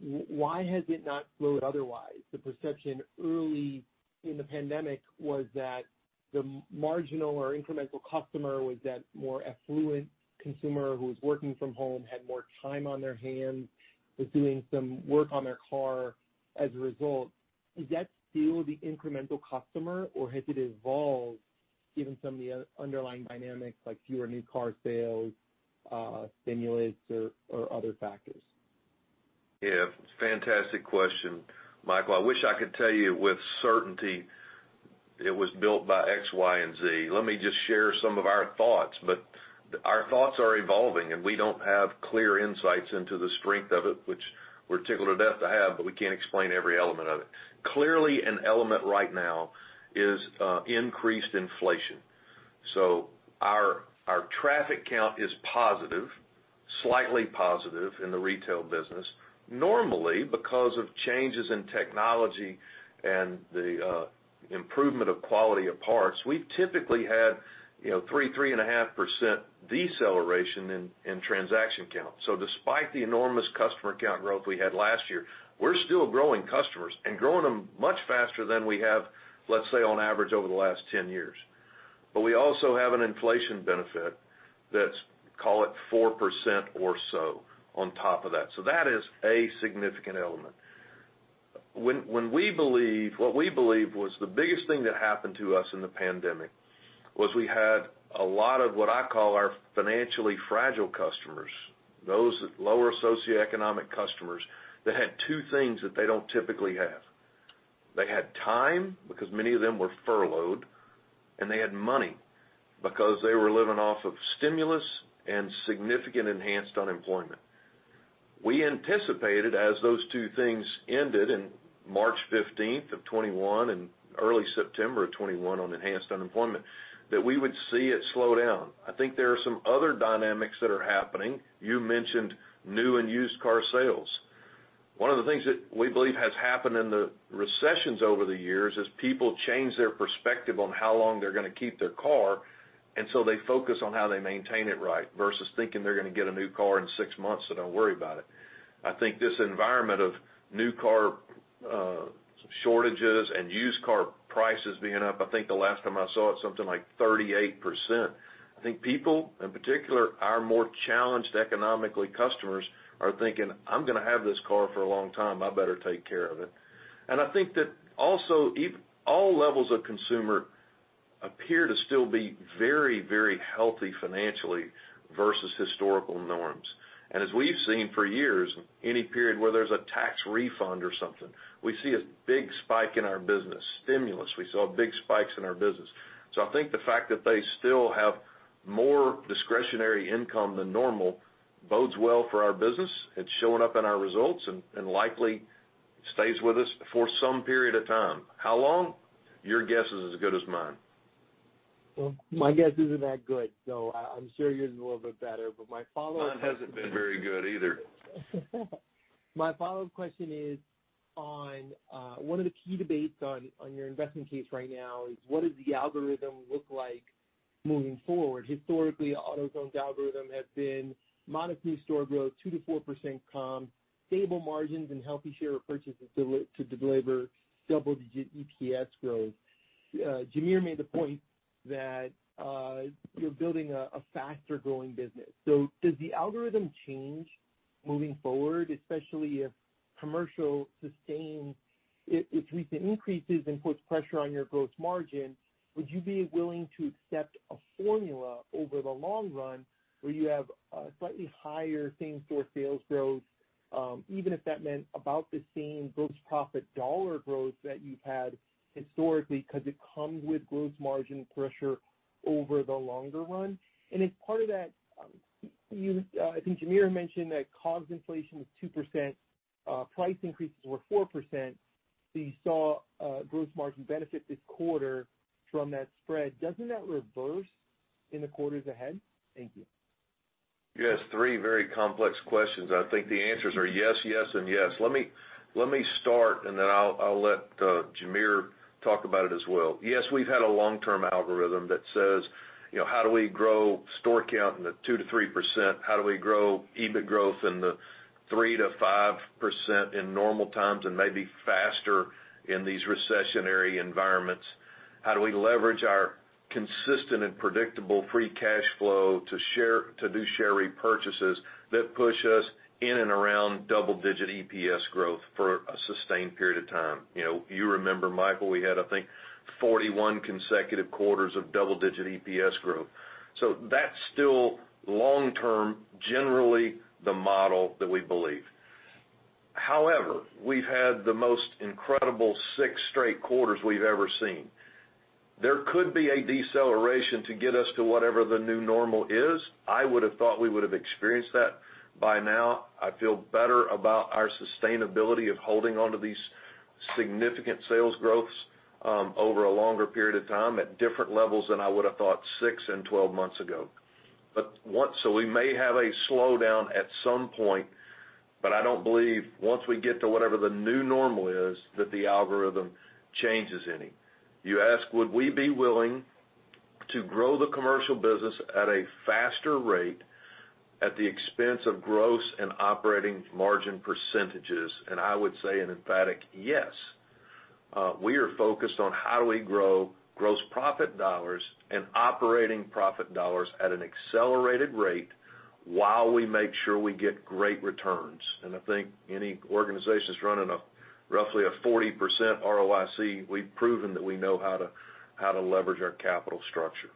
Why has it not slowed otherwise? The perception early in the pandemic was that the marginal or incremental customer was that more affluent consumer who was working from home, had more time on their hands, was doing some work on their car as a result. Is that still the incremental customer or has it evolved given some of the underlying dynamics like fewer new car sales, stimulus or other factors? Yeah. Fantastic question, Michael. I wish I could tell you with certainty it was built by X, Y, and Z. Let me just share some of our thoughts, but our thoughts are evolving, and we don't have clear insights into the strength of it, which we're tickled to death to have, but we can't explain every element of it. Clearly, an element right now is increased inflation. Our traffic count is positive, slightly positive in the retail business. Normally, because of changes in technology and the improvement of quality of parts, we've typically had, you know, 3.5% deceleration in transaction count. Despite the enormous customer count growth we had last year, we're still growing customers and growing them much faster than we have, let's say, on average over the last 10 years. We also have an inflation benefit that's, call it 4% or so on top of that. That is a significant element. What we believe was the biggest thing that happened to us in the pandemic was we had a lot of what I call our financially fragile customers, those lower socioeconomic customers that had two things that they don't typically have. They had time because many of them were furloughed, and they had money because they were living off of stimulus and significant enhanced unemployment. We anticipated, as those two things ended in March 15th of 2021 and early September of 2021 on enhanced unemployment, that we would see it slow down. I think there are some other dynamics that are happening. You mentioned new and used car sales. One of the things that we believe has happened in the recessions over the years is people change their perspective on how long they're gonna keep their car, and so they focus on how they maintain it right versus thinking they're gonna get a new car in six months, so don't worry about it. I think this environment of new car shortages and used car prices being up. I think the last time I saw it, something like 38%. I think people, in particular, our more challenged economically customers are thinking, "I'm gonna have this car for a long time. I better take care of it." I think that also all levels of consumer appear to still be very, very healthy financially versus historical norms. As we've seen for years, any period where there's a tax refund or something, we see a big spike in our business. Stimulus, we saw big spikes in our business. I think the fact that they still have more discretionary income than normal bodes well for our business. It's showing up in our results and likely stays with us for some period of time. How long? Your guess is as good as mine. Well, my guess isn't that good, so I'm sure yours is a little bit better. My follow-up. Mine hasn't been very good either. My follow-up question is on one of the key debates on your investment case right now is what does the algorithm look like moving forward? Historically, AutoZone's algorithm has been modest new store growth, 2%-4% comp, stable margins and healthy share purchases to deliver double-digit EPS growth. Jamere made the point that you're building a faster growing business. Does the algorithm change moving forward, especially if commercial sustains its recent increases and puts pressure on your gross margin? Would you be willing to accept a formula over the long run where you have a slightly higher same-store sales growth, even if that meant about the same gross profit dollar growth that you've had historically because it comes with gross margin pressure over the longer run? I think Jamere mentioned that COGS inflation was 2%, price increases were 4%, so you saw gross margin benefit this quarter from that spread. Doesn't that reverse in the quarters ahead? Thank you. You asked three very complex questions. I think the answers are yes, and yes. Let me start, and then I'll let Jamere talk about it as well. Yes, we've had a long-term algorithm that says, you know, how do we grow store count in the 2%-3%? How do we grow EBIT growth in the 3%-5% in normal times and maybe faster in these recessionary environments? How do we leverage our consistent and predictable free cash flow to do share repurchases that push us in and around double-digit EPS growth for a sustained period of time? You know, you remember, Michael, we had, I think, 41 consecutive quarters of double-digit EPS growth. So that's still long-term, generally the model that we believe. However, we've had the most incredible six straight quarters we've ever seen. There could be a deceleration to get us to whatever the new normal is. I would have thought we would have experienced that by now. I feel better about our sustainability of holding onto these significant sales growths over a longer period of time at different levels than I would have thought six and 12 months ago. We may have a slowdown at some point, but I don't believe once we get to whatever the new normal is, that the algorithm changes any. You ask, would we be willing to grow the commercial business at a faster rate at the expense of gross and operating margin percentages, and I would say an emphatic yes. We are focused on how do we grow gross profit dollars and operating profit dollars at an accelerated rate while we make sure we get great returns. I think any organization that's running roughly a 40% ROIC, we've proven that we know how to leverage our capital structure.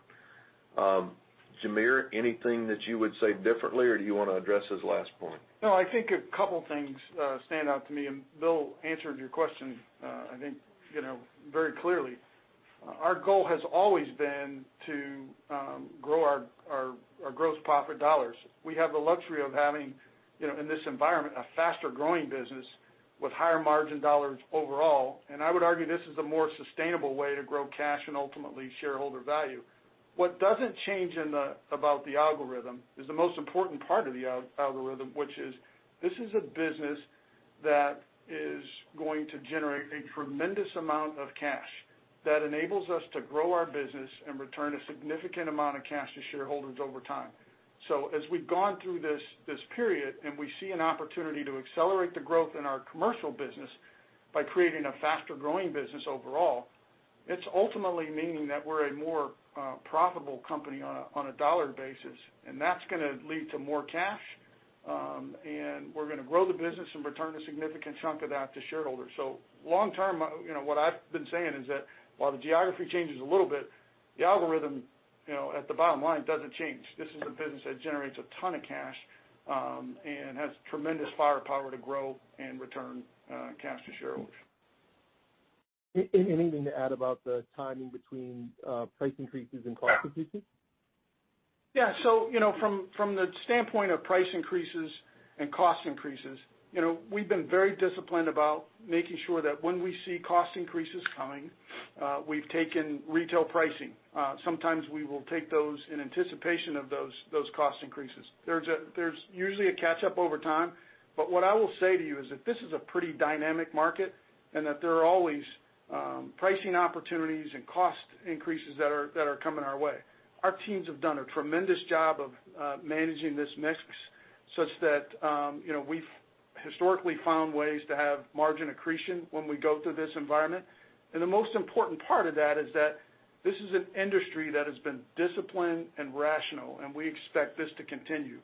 Jamere, anything that you would say differently, or do you wanna address his last point? No, I think a couple things stand out to me, and Bill answered your question, I think, you know, very clearly. Our goal has always been to grow our gross profit dollars. We have the luxury of having, you know, in this environment, a faster growing business with higher margin dollars overall, and I would argue this is a more sustainable way to grow cash and ultimately shareholder value. What doesn't change in the algorithm is the most important part of the algorithm, which is this is a business that is going to generate a tremendous amount of cash that enables us to grow our business and return a significant amount of cash to shareholders over time. As we've gone through this period, and we see an opportunity to accelerate the growth in our commercial business by creating a faster growing business overall, it's ultimately meaning that we're a more profitable company on a dollar basis, and that's gonna lead to more cash, and we're gonna grow the business and return a significant chunk of that to shareholders. Long term, you know, what I've been saying is that while the geography changes a little bit, the algorithm, you know, at the bottom line, doesn't change. This is a business that generates a ton of cash, and has tremendous firepower to grow and return cash to shareholders. Anything to add about the timing between price increases and cost increases? Yeah. So, you know, from the standpoint of price increases and cost increases, you know, we've been very disciplined about making sure that when we see cost increases coming, we've taken retail pricing. Sometimes we will take those in anticipation of those cost increases. There's usually a catch up over time, but what I will say to you is that this is a pretty dynamic market and that there are always pricing opportunities and cost increases that are coming our way. Our teams have done a tremendous job of managing this mix such that, you know, we've historically found ways to have margin accretion when we go through this environment. The most important part of that is that this is an industry that has been disciplined and rational, and we expect this to continue.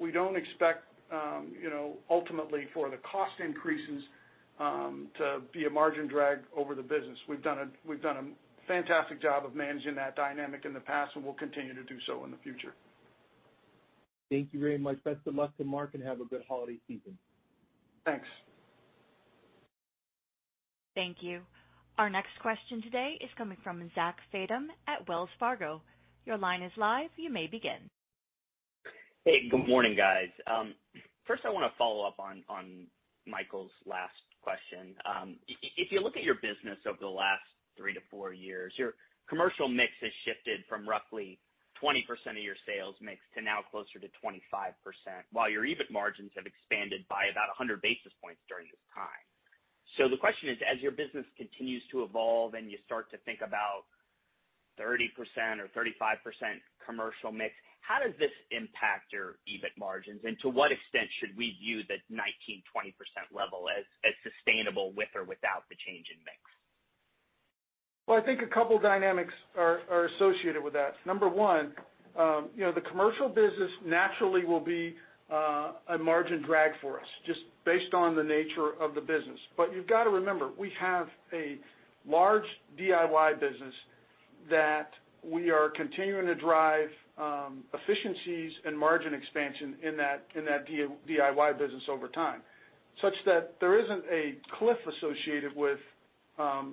We don't expect, you know, ultimately for the cost increases to be a margin drag over the business. We've done a fantastic job of managing that dynamic in the past, and we'll continue to do so in the future. Thank you very much. Best of luck to Mark, and have a good holiday season. Thanks. Thank you. Our next question today is coming from Zachary Fadem at Wells Fargo. Your line is live. You may begin. Hey, good morning, guys. First I wanna follow up on Michael's last question. If you look at your business over the last three to four years, your commercial mix has shifted from roughly 20% of your sales mix to now closer to 25%, while your EBIT margins have expanded by about 100 basis points during this time. The question is, as your business continues to evolve and you start to think about 30% or 35% commercial mix, how does this impact your EBIT margins? To what extent should we view the 19%-20% level as sustainable with or without the change in mix? Well, I think a couple dynamics are associated with that, number one, you know, the commercial business naturally will be a margin drag for us just based on the nature of the business. You've got to remember, we have a large DIY business that we are continuing to drive efficiencies and margin expansion in that DIY business over time, such that there isn't a cliff associated with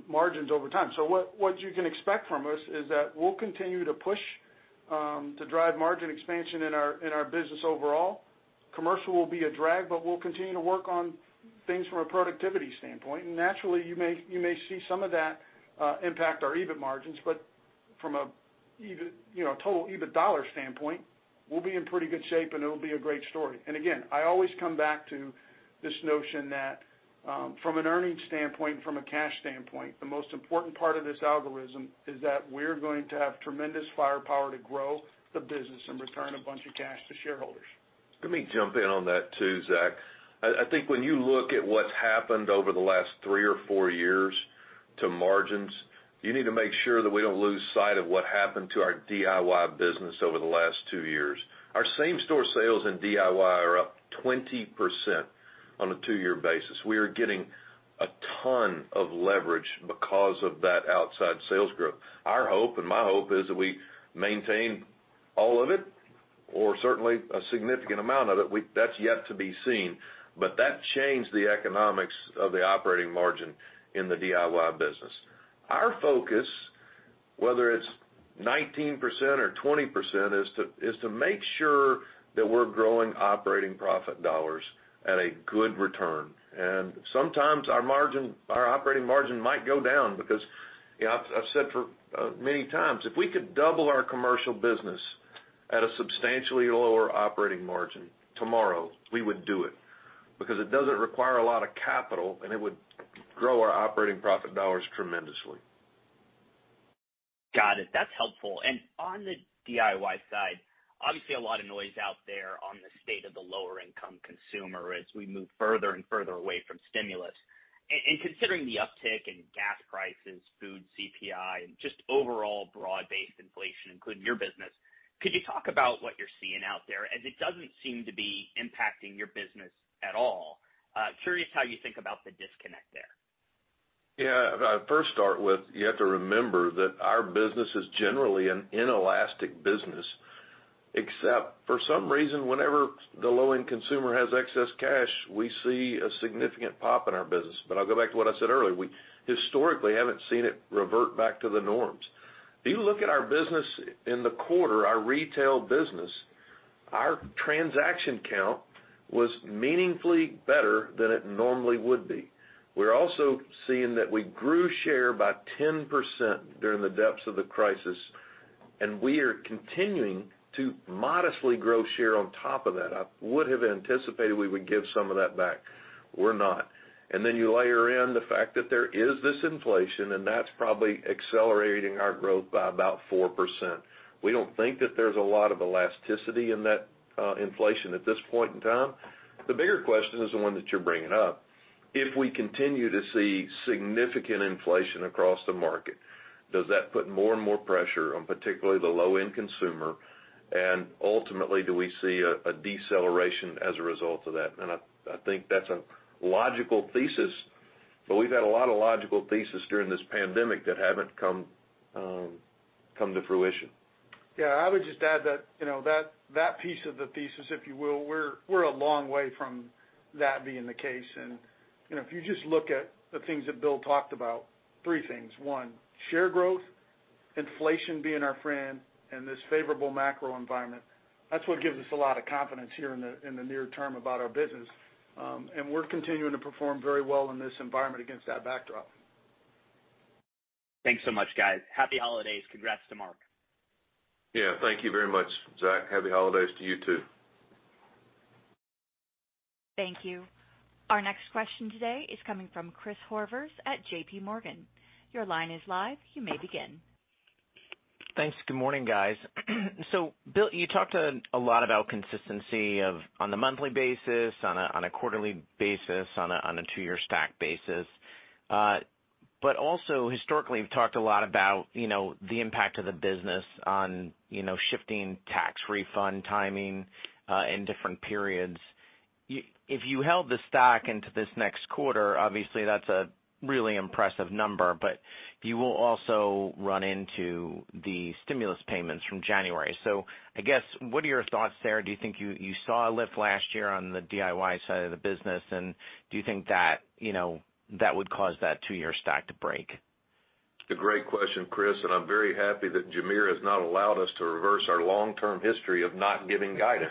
margins over time. What you can expect from us is that we'll continue to push to drive margin expansion in our business overall. Commercial will be a drag, but we'll continue to work on things from a productivity standpoint. Naturally, you may see some of that impact our EBIT margins. From a EBIT, you know, total EBIT dollar standpoint, we'll be in pretty good shape, and it'll be a great story. Again, I always come back to this notion that, from an earnings standpoint, from a cash standpoint, the most important part of this algorithm is that we're going to have tremendous firepower to grow the business and return a bunch of cash to shareholders. Let me jump in on that too, Zach. I think when you look at what's happened over the last three or four years to margins, you need to make sure that we don't lose sight of what happened to our DIY business over the last two years. Our same store sales in DIY are up 20% on a two-year basis. We are getting a ton of leverage because of that outsized sales growth. Our hope and my hope is that we maintain all of it or certainly a significant amount of it. That's yet to be seen. That changed the economics of the operating margin in the DIY business. Our focus, whether it's 19% or 20%, is to make sure that we're growing operating profit dollars at a good return. Sometimes our margin, our operating margin might go down because, you know, I've said for many times, if we could double our commercial business at a substantially lower operating margin tomorrow, we would do it because it doesn't require a lot of capital, and it would grow our operating profit dollars tremendously. Got it. That's helpful. On the DIY side, obviously a lot of noise out there on the state of the lower income consumer as we move further and further away from stimulus. Considering the uptick in gas prices, food CPI, and just overall broad-based inflation, including your business, could you talk about what you're seeing out there as it doesn't seem to be impacting your business at all? Curious how you think about the disconnect there. Yeah. If I first start with, you have to remember that our business is generally an inelastic business, except for some reason, whenever the low-end consumer has excess cash, we see a significant pop in our business. I'll go back to what I said earlier. We historically haven't seen it revert back to the norms. If you look at our business in the quarter, our retail business, our transaction count was meaningfully better than it normally would be. We're also seeing that we grew share by 10% during the depths of the crisis, and we are continuing to modestly grow share on top of that. I would have anticipated we would give some of that back. We're not. And then you layer in the fact that there is this inflation, and that's probably accelerating our growth by about 4%. We don't think that there's a lot of elasticity in that, inflation at this point in time. The bigger question is the one that you're bringing up. If we continue to see significant inflation across the market, does that put more and more pressure on particularly the low-end consumer? Ultimately, do we see a deceleration as a result of that? I think that's a logical thesis, but we've had a lot of logical thesis during this pandemic that haven't come to fruition. Yeah. I would just add that, you know, that piece of the thesis, if you will, we're a long way from that being the case. You know, if you just look at the things that Bill talked about, three things. One, share growth, inflation being our friend, and this favorable macro environment. That's what gives us a lot of confidence here in the near term about our business. We're continuing to perform very well in this environment against that backdrop. Thanks so much, guys. Happy holidays. Congrats to Mark. Yeah. Thank you very much, Zach. Happy holidays to you, too. Thank you. Our next question today is coming from Christopher Horvers at J.P. Morgan. Your line is live. You may begin. Thanks. Good morning, guys. Bill, you talked a lot about consistency on a monthly basis, on a quarterly basis, on a two-year stack basis. But also historically, you've talked a lot about, you know, the impact of the business on, you know, shifting tax refund timing in different periods. If you held the stock into this next quarter, obviously that's a really impressive number, but you will also run into the stimulus payments from January. I guess, what are your thoughts there? Do you think you saw a lift last year on the DIY side of the business? And do you think that, you know, that would cause that two-year stack to break? It's a great question, Chris, and I'm very happy that Jamere has not allowed us to reverse our long-term history of not giving guidance.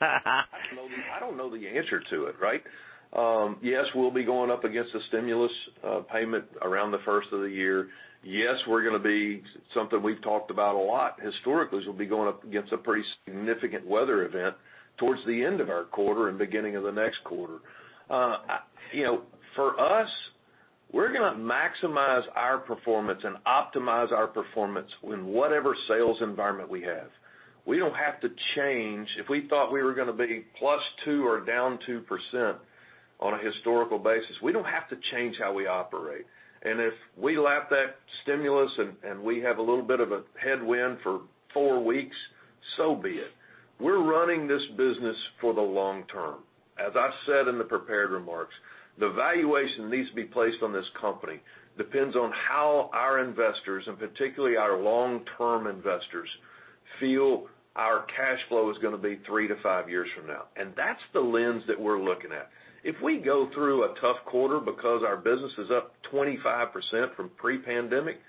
I don't know the answer to it, right? Yes, we'll be going up against the stimulus payment around the first of the year. Yes, we're gonna be something we've talked about a lot historically, is we'll be going up against a pretty significant weather event towards the end of our quarter and beginning of the next quarter. You know, for us, we're gonna maximize our performance and optimize our performance in whatever sales environment we have. We don't have to change. If we thought we were gonna be +2% or down 2% on a historical basis, we don't have to change how we operate. If we lap that stimulus and we have a little bit of a headwind for four weeks, so be it. We're running this business for the long term. As I said in the prepared remarks, the valuation that needs to be placed on this company depends on how our investors, and particularly our long-term investors, feel our cash flow is gonna be three to five years from now, and that's the lens that we're looking at. If we go through a tough quarter because our business is up 25% from pre-pandemic,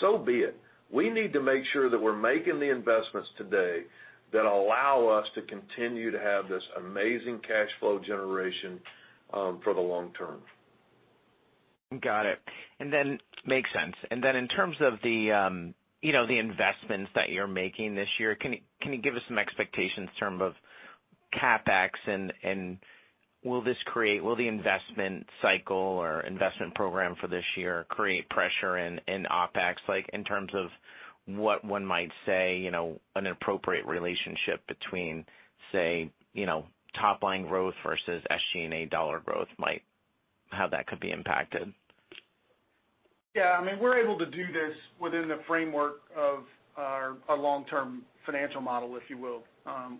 so be it. We need to make sure that we're making the investments today that allow us to continue to have this amazing cash flow generation, for the long term. Got it. Makes sense. In terms of the, you know, the investments that you're making this year, can you give us some expectations in terms of CapEx? Will the investment cycle or investment program for this year create pressure in OpEx, like in terms of what one might say, you know, an appropriate relationship between, say, you know, top line growth versus SG&A dollar growth might, how that could be impacted? Yeah. I mean, we're able to do this within the framework of our long-term financial model, if you will.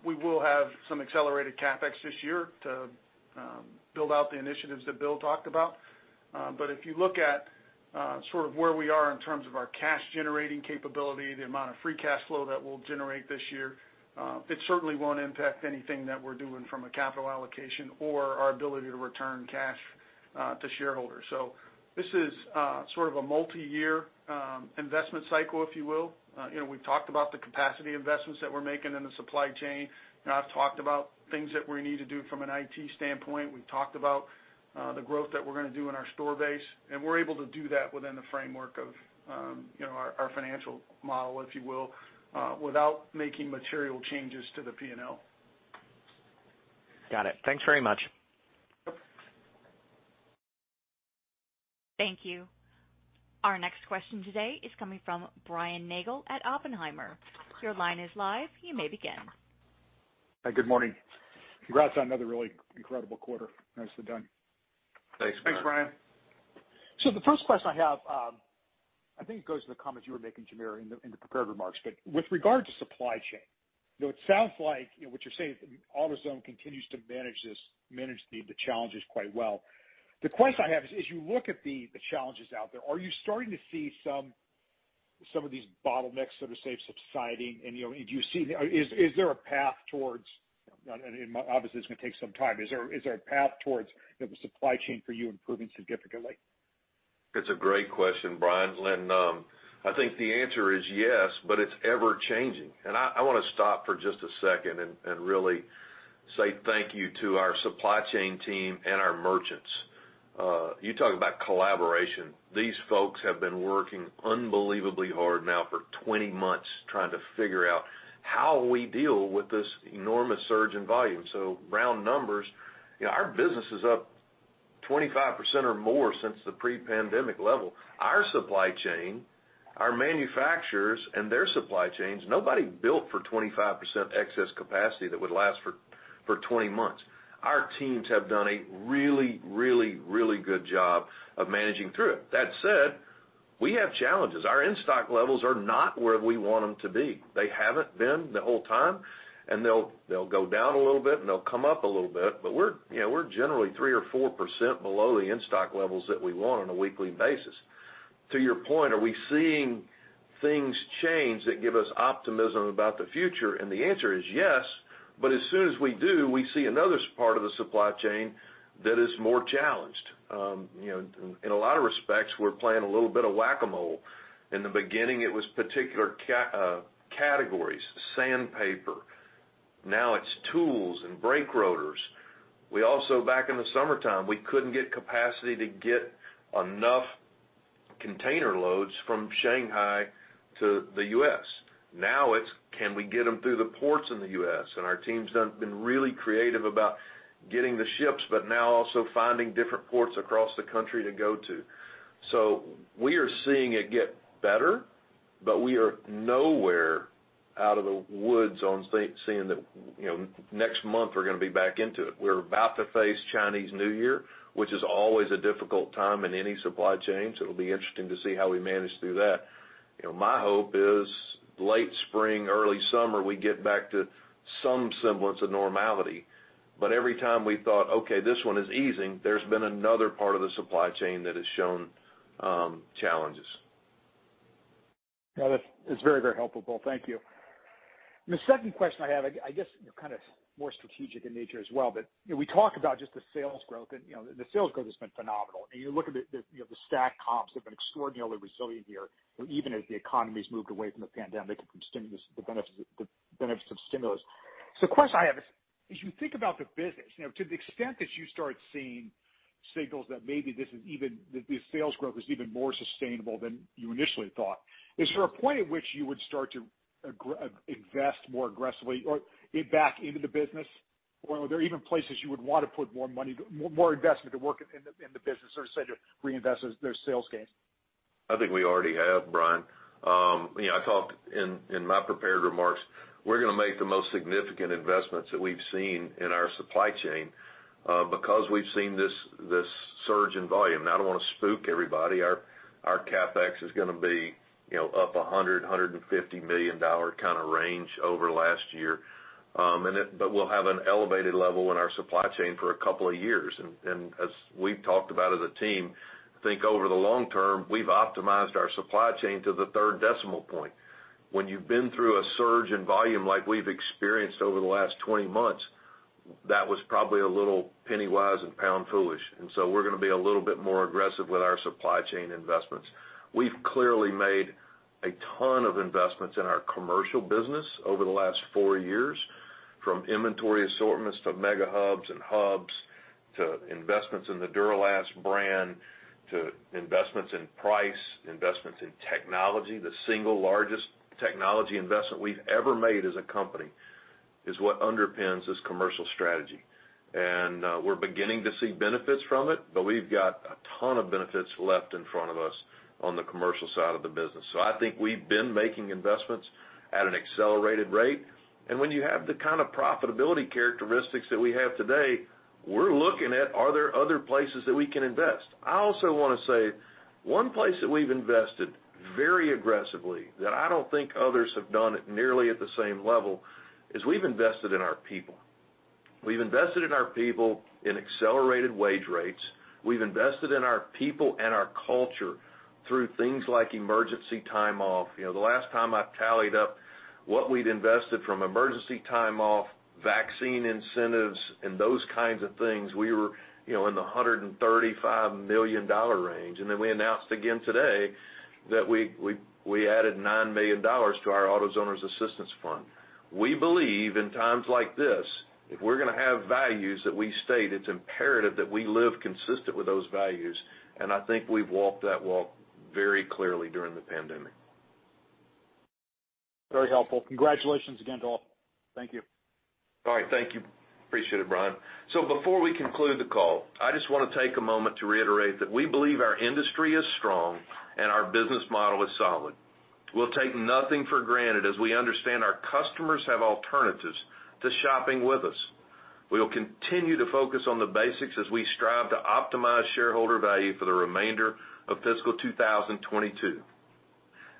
We will have some accelerated CapEx this year to build out the initiatives that Bill talked about. If you look at sort of where we are in terms of our cash generating capability, the amount of free cash flow that we'll generate this year, it certainly won't impact anything that we're doing from a capital allocation or our ability to return cash to shareholders. This is sort of a multi-year investment cycle, if you will. You know, we've talked about the capacity investments that we're making in the supply chain. Now I've talked about things that we need to do from an IT standpoint. We've talked about the growth that we're gonna do in our store base, and we're able to do that within the framework of, you know, our financial model, if you will, without making material changes to the P&L. Got it. Thanks very much. Yep. Thank you. Our next question today is coming from Brian Nagel at Oppenheimer. Your line is live. You may begin. Hi, good morning. Congrats on another really incredible quarter. Nicely done. Thanks, Brian. Thanks, Brian. The first question I have, I think it goes to the comments you were making, Jamere, in the prepared remarks. With regard to supply chain, you know, it sounds like, you know, what you're saying, AutoZone continues to manage the challenges quite well. The question I have is, as you look at the challenges out there, are you starting to see some of these bottlenecks, so to say, subsiding? You know, is there a path towards, and obviously, it's gonna take some time, the supply chain for you improving significantly? It's a great question, Brian. I think the answer is yes, but it's ever-changing. I wanna stop for just a second and really say thank you to our supply chain team and our merchants. You talk about collaboration. These folks have been working unbelievably hard now for 20 months trying to figure out how we deal with this enormous surge in volume. Round numbers, you know, our business is up 25% or more since the pre-pandemic level. Our supply chain, our manufacturers and their supply chains, nobody built for 25% excess capacity that would last for 20 months. Our teams have done a really good job of managing through it. That said, we have challenges. Our in-stock levels are not where we want them to be. They haven't been the whole time, and they'll go down a little bit and they'll come up a little bit, but we're, you know, generally 3% or 4% below the in-stock levels that we want on a weekly basis. To your point, are we seeing things change that give us optimism about the future? The answer is yes, but as soon as we do, we see another part of the supply chain that is more challenged. You know, in a lot of respects, we're playing a little bit of whack-a-mole. In the beginning, it was particular categories, sandpaper. Now it's tools and brake rotors. We also, back in the summertime, we couldn't get capacity to get enough container loads from Shanghai to the U.S. Now it's can we get them through the ports in the U.S.? Our team's been really creative about getting the ships, but now also finding different ports across the country to go to. We are seeing it get better, but we are nowhere out of the woods on seeing that, you know, next month we're gonna be back into it. We're about to face Chinese New Year, which is always a difficult time in any supply chain, so it'll be interesting to see how we manage through that. You know, my hope is late spring, early summer, we get back to some semblance of normality. Every time we thought, okay, this one is easing, there's been another part of the supply chain that has shown challenges. No, that's very helpful, Bill. Thank you. The second question I have, I guess kind of more strategic in nature as well. You know, we talk about just the sales growth and, you know, the sales growth has been phenomenal. You look at the, you know, the stack comps have been extraordinarily resilient here, even as the economy's moved away from the pandemic from stimulus, the benefits of stimulus. The question I have is, as you think about the business, you know, to the extent that you start seeing signals that maybe this is even the sales growth is even more sustainable than you initially thought. Is there a point at which you would start to invest more aggressively or back into the business? Are there even places you would wanna put more money, more investment to work in the business or say, to reinvest those sales gains? I think we already have, Brian. You know, I talked in my prepared remarks, we're gonna make the most significant investments that we've seen in our supply chain, because we've seen this surge in volume. Now I don't wanna spook everybody. Our CapEx is gonna be, you know, up $150 million kinda range over last year. But we'll have an elevated level in our supply chain for a couple of years. As we've talked about as a team, think over the long term, we've optimized our supply chain to the third decimal point. When you've been through a surge in volume like we've experienced over the last 20 months, that was probably a little penny-wise and pound-foolish. We're gonna be a little bit more aggressive with our supply chain investments. We've clearly made a ton of investments in our commercial business over the last four years, from inventory assortments to Mega Hubs and Hubs, to investments in the Duralast brand, to investments in price, investments in technology. The single largest technology investment we've ever made as a company is what underpins this commercial strategy. We're beginning to see benefits from it, but we've got a ton of benefits left in front of us on the commercial side of the business. I think we've been making investments at an accelerated rate. When you have the kind of profitability characteristics that we have today, we're looking at, are there other places that we can invest? I also wanna say one place that we've invested very aggressively that I don't think others have done it nearly at the same level, is we've invested in our people. We've invested in our people and accelerated wage rates. We've invested in our people and our culture through things like emergency time off. You know, the last time I tallied up what we'd invested from emergency time off, vaccine incentives, and those kinds of things, we were, you know, in the $135 million range. We announced again today that we added $9 million to our AutoZoner Assistance Fund. We believe in times like this, if we're gonna have values that we state, it's imperative that we live consistent with those values, and I think we've walked that walk very clearly during the pandemic. Very helpful. Congratulations again to all. Thank you. All right. Thank you. Appreciate it, Brian. Before we conclude the call, I just wanna take a moment to reiterate that we believe our industry is strong and our business model is solid. We'll take nothing for granted as we understand our customers have alternatives to shopping with us. We will continue to focus on the basics as we strive to optimize shareholder value for the remainder of fiscal 2022.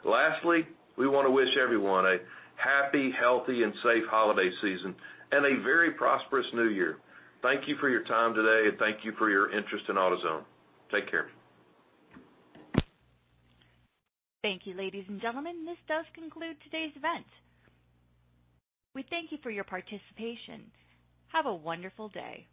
Lastly, we wanna wish everyone a happy, healthy, and safe holiday season and a very prosperous new year. Thank you for your time today, and thank you for your interest in AutoZone. Take care. Thank you, ladies and gentlemen, this does conclude today's event. We thank you for your participation. Have a wonderful day.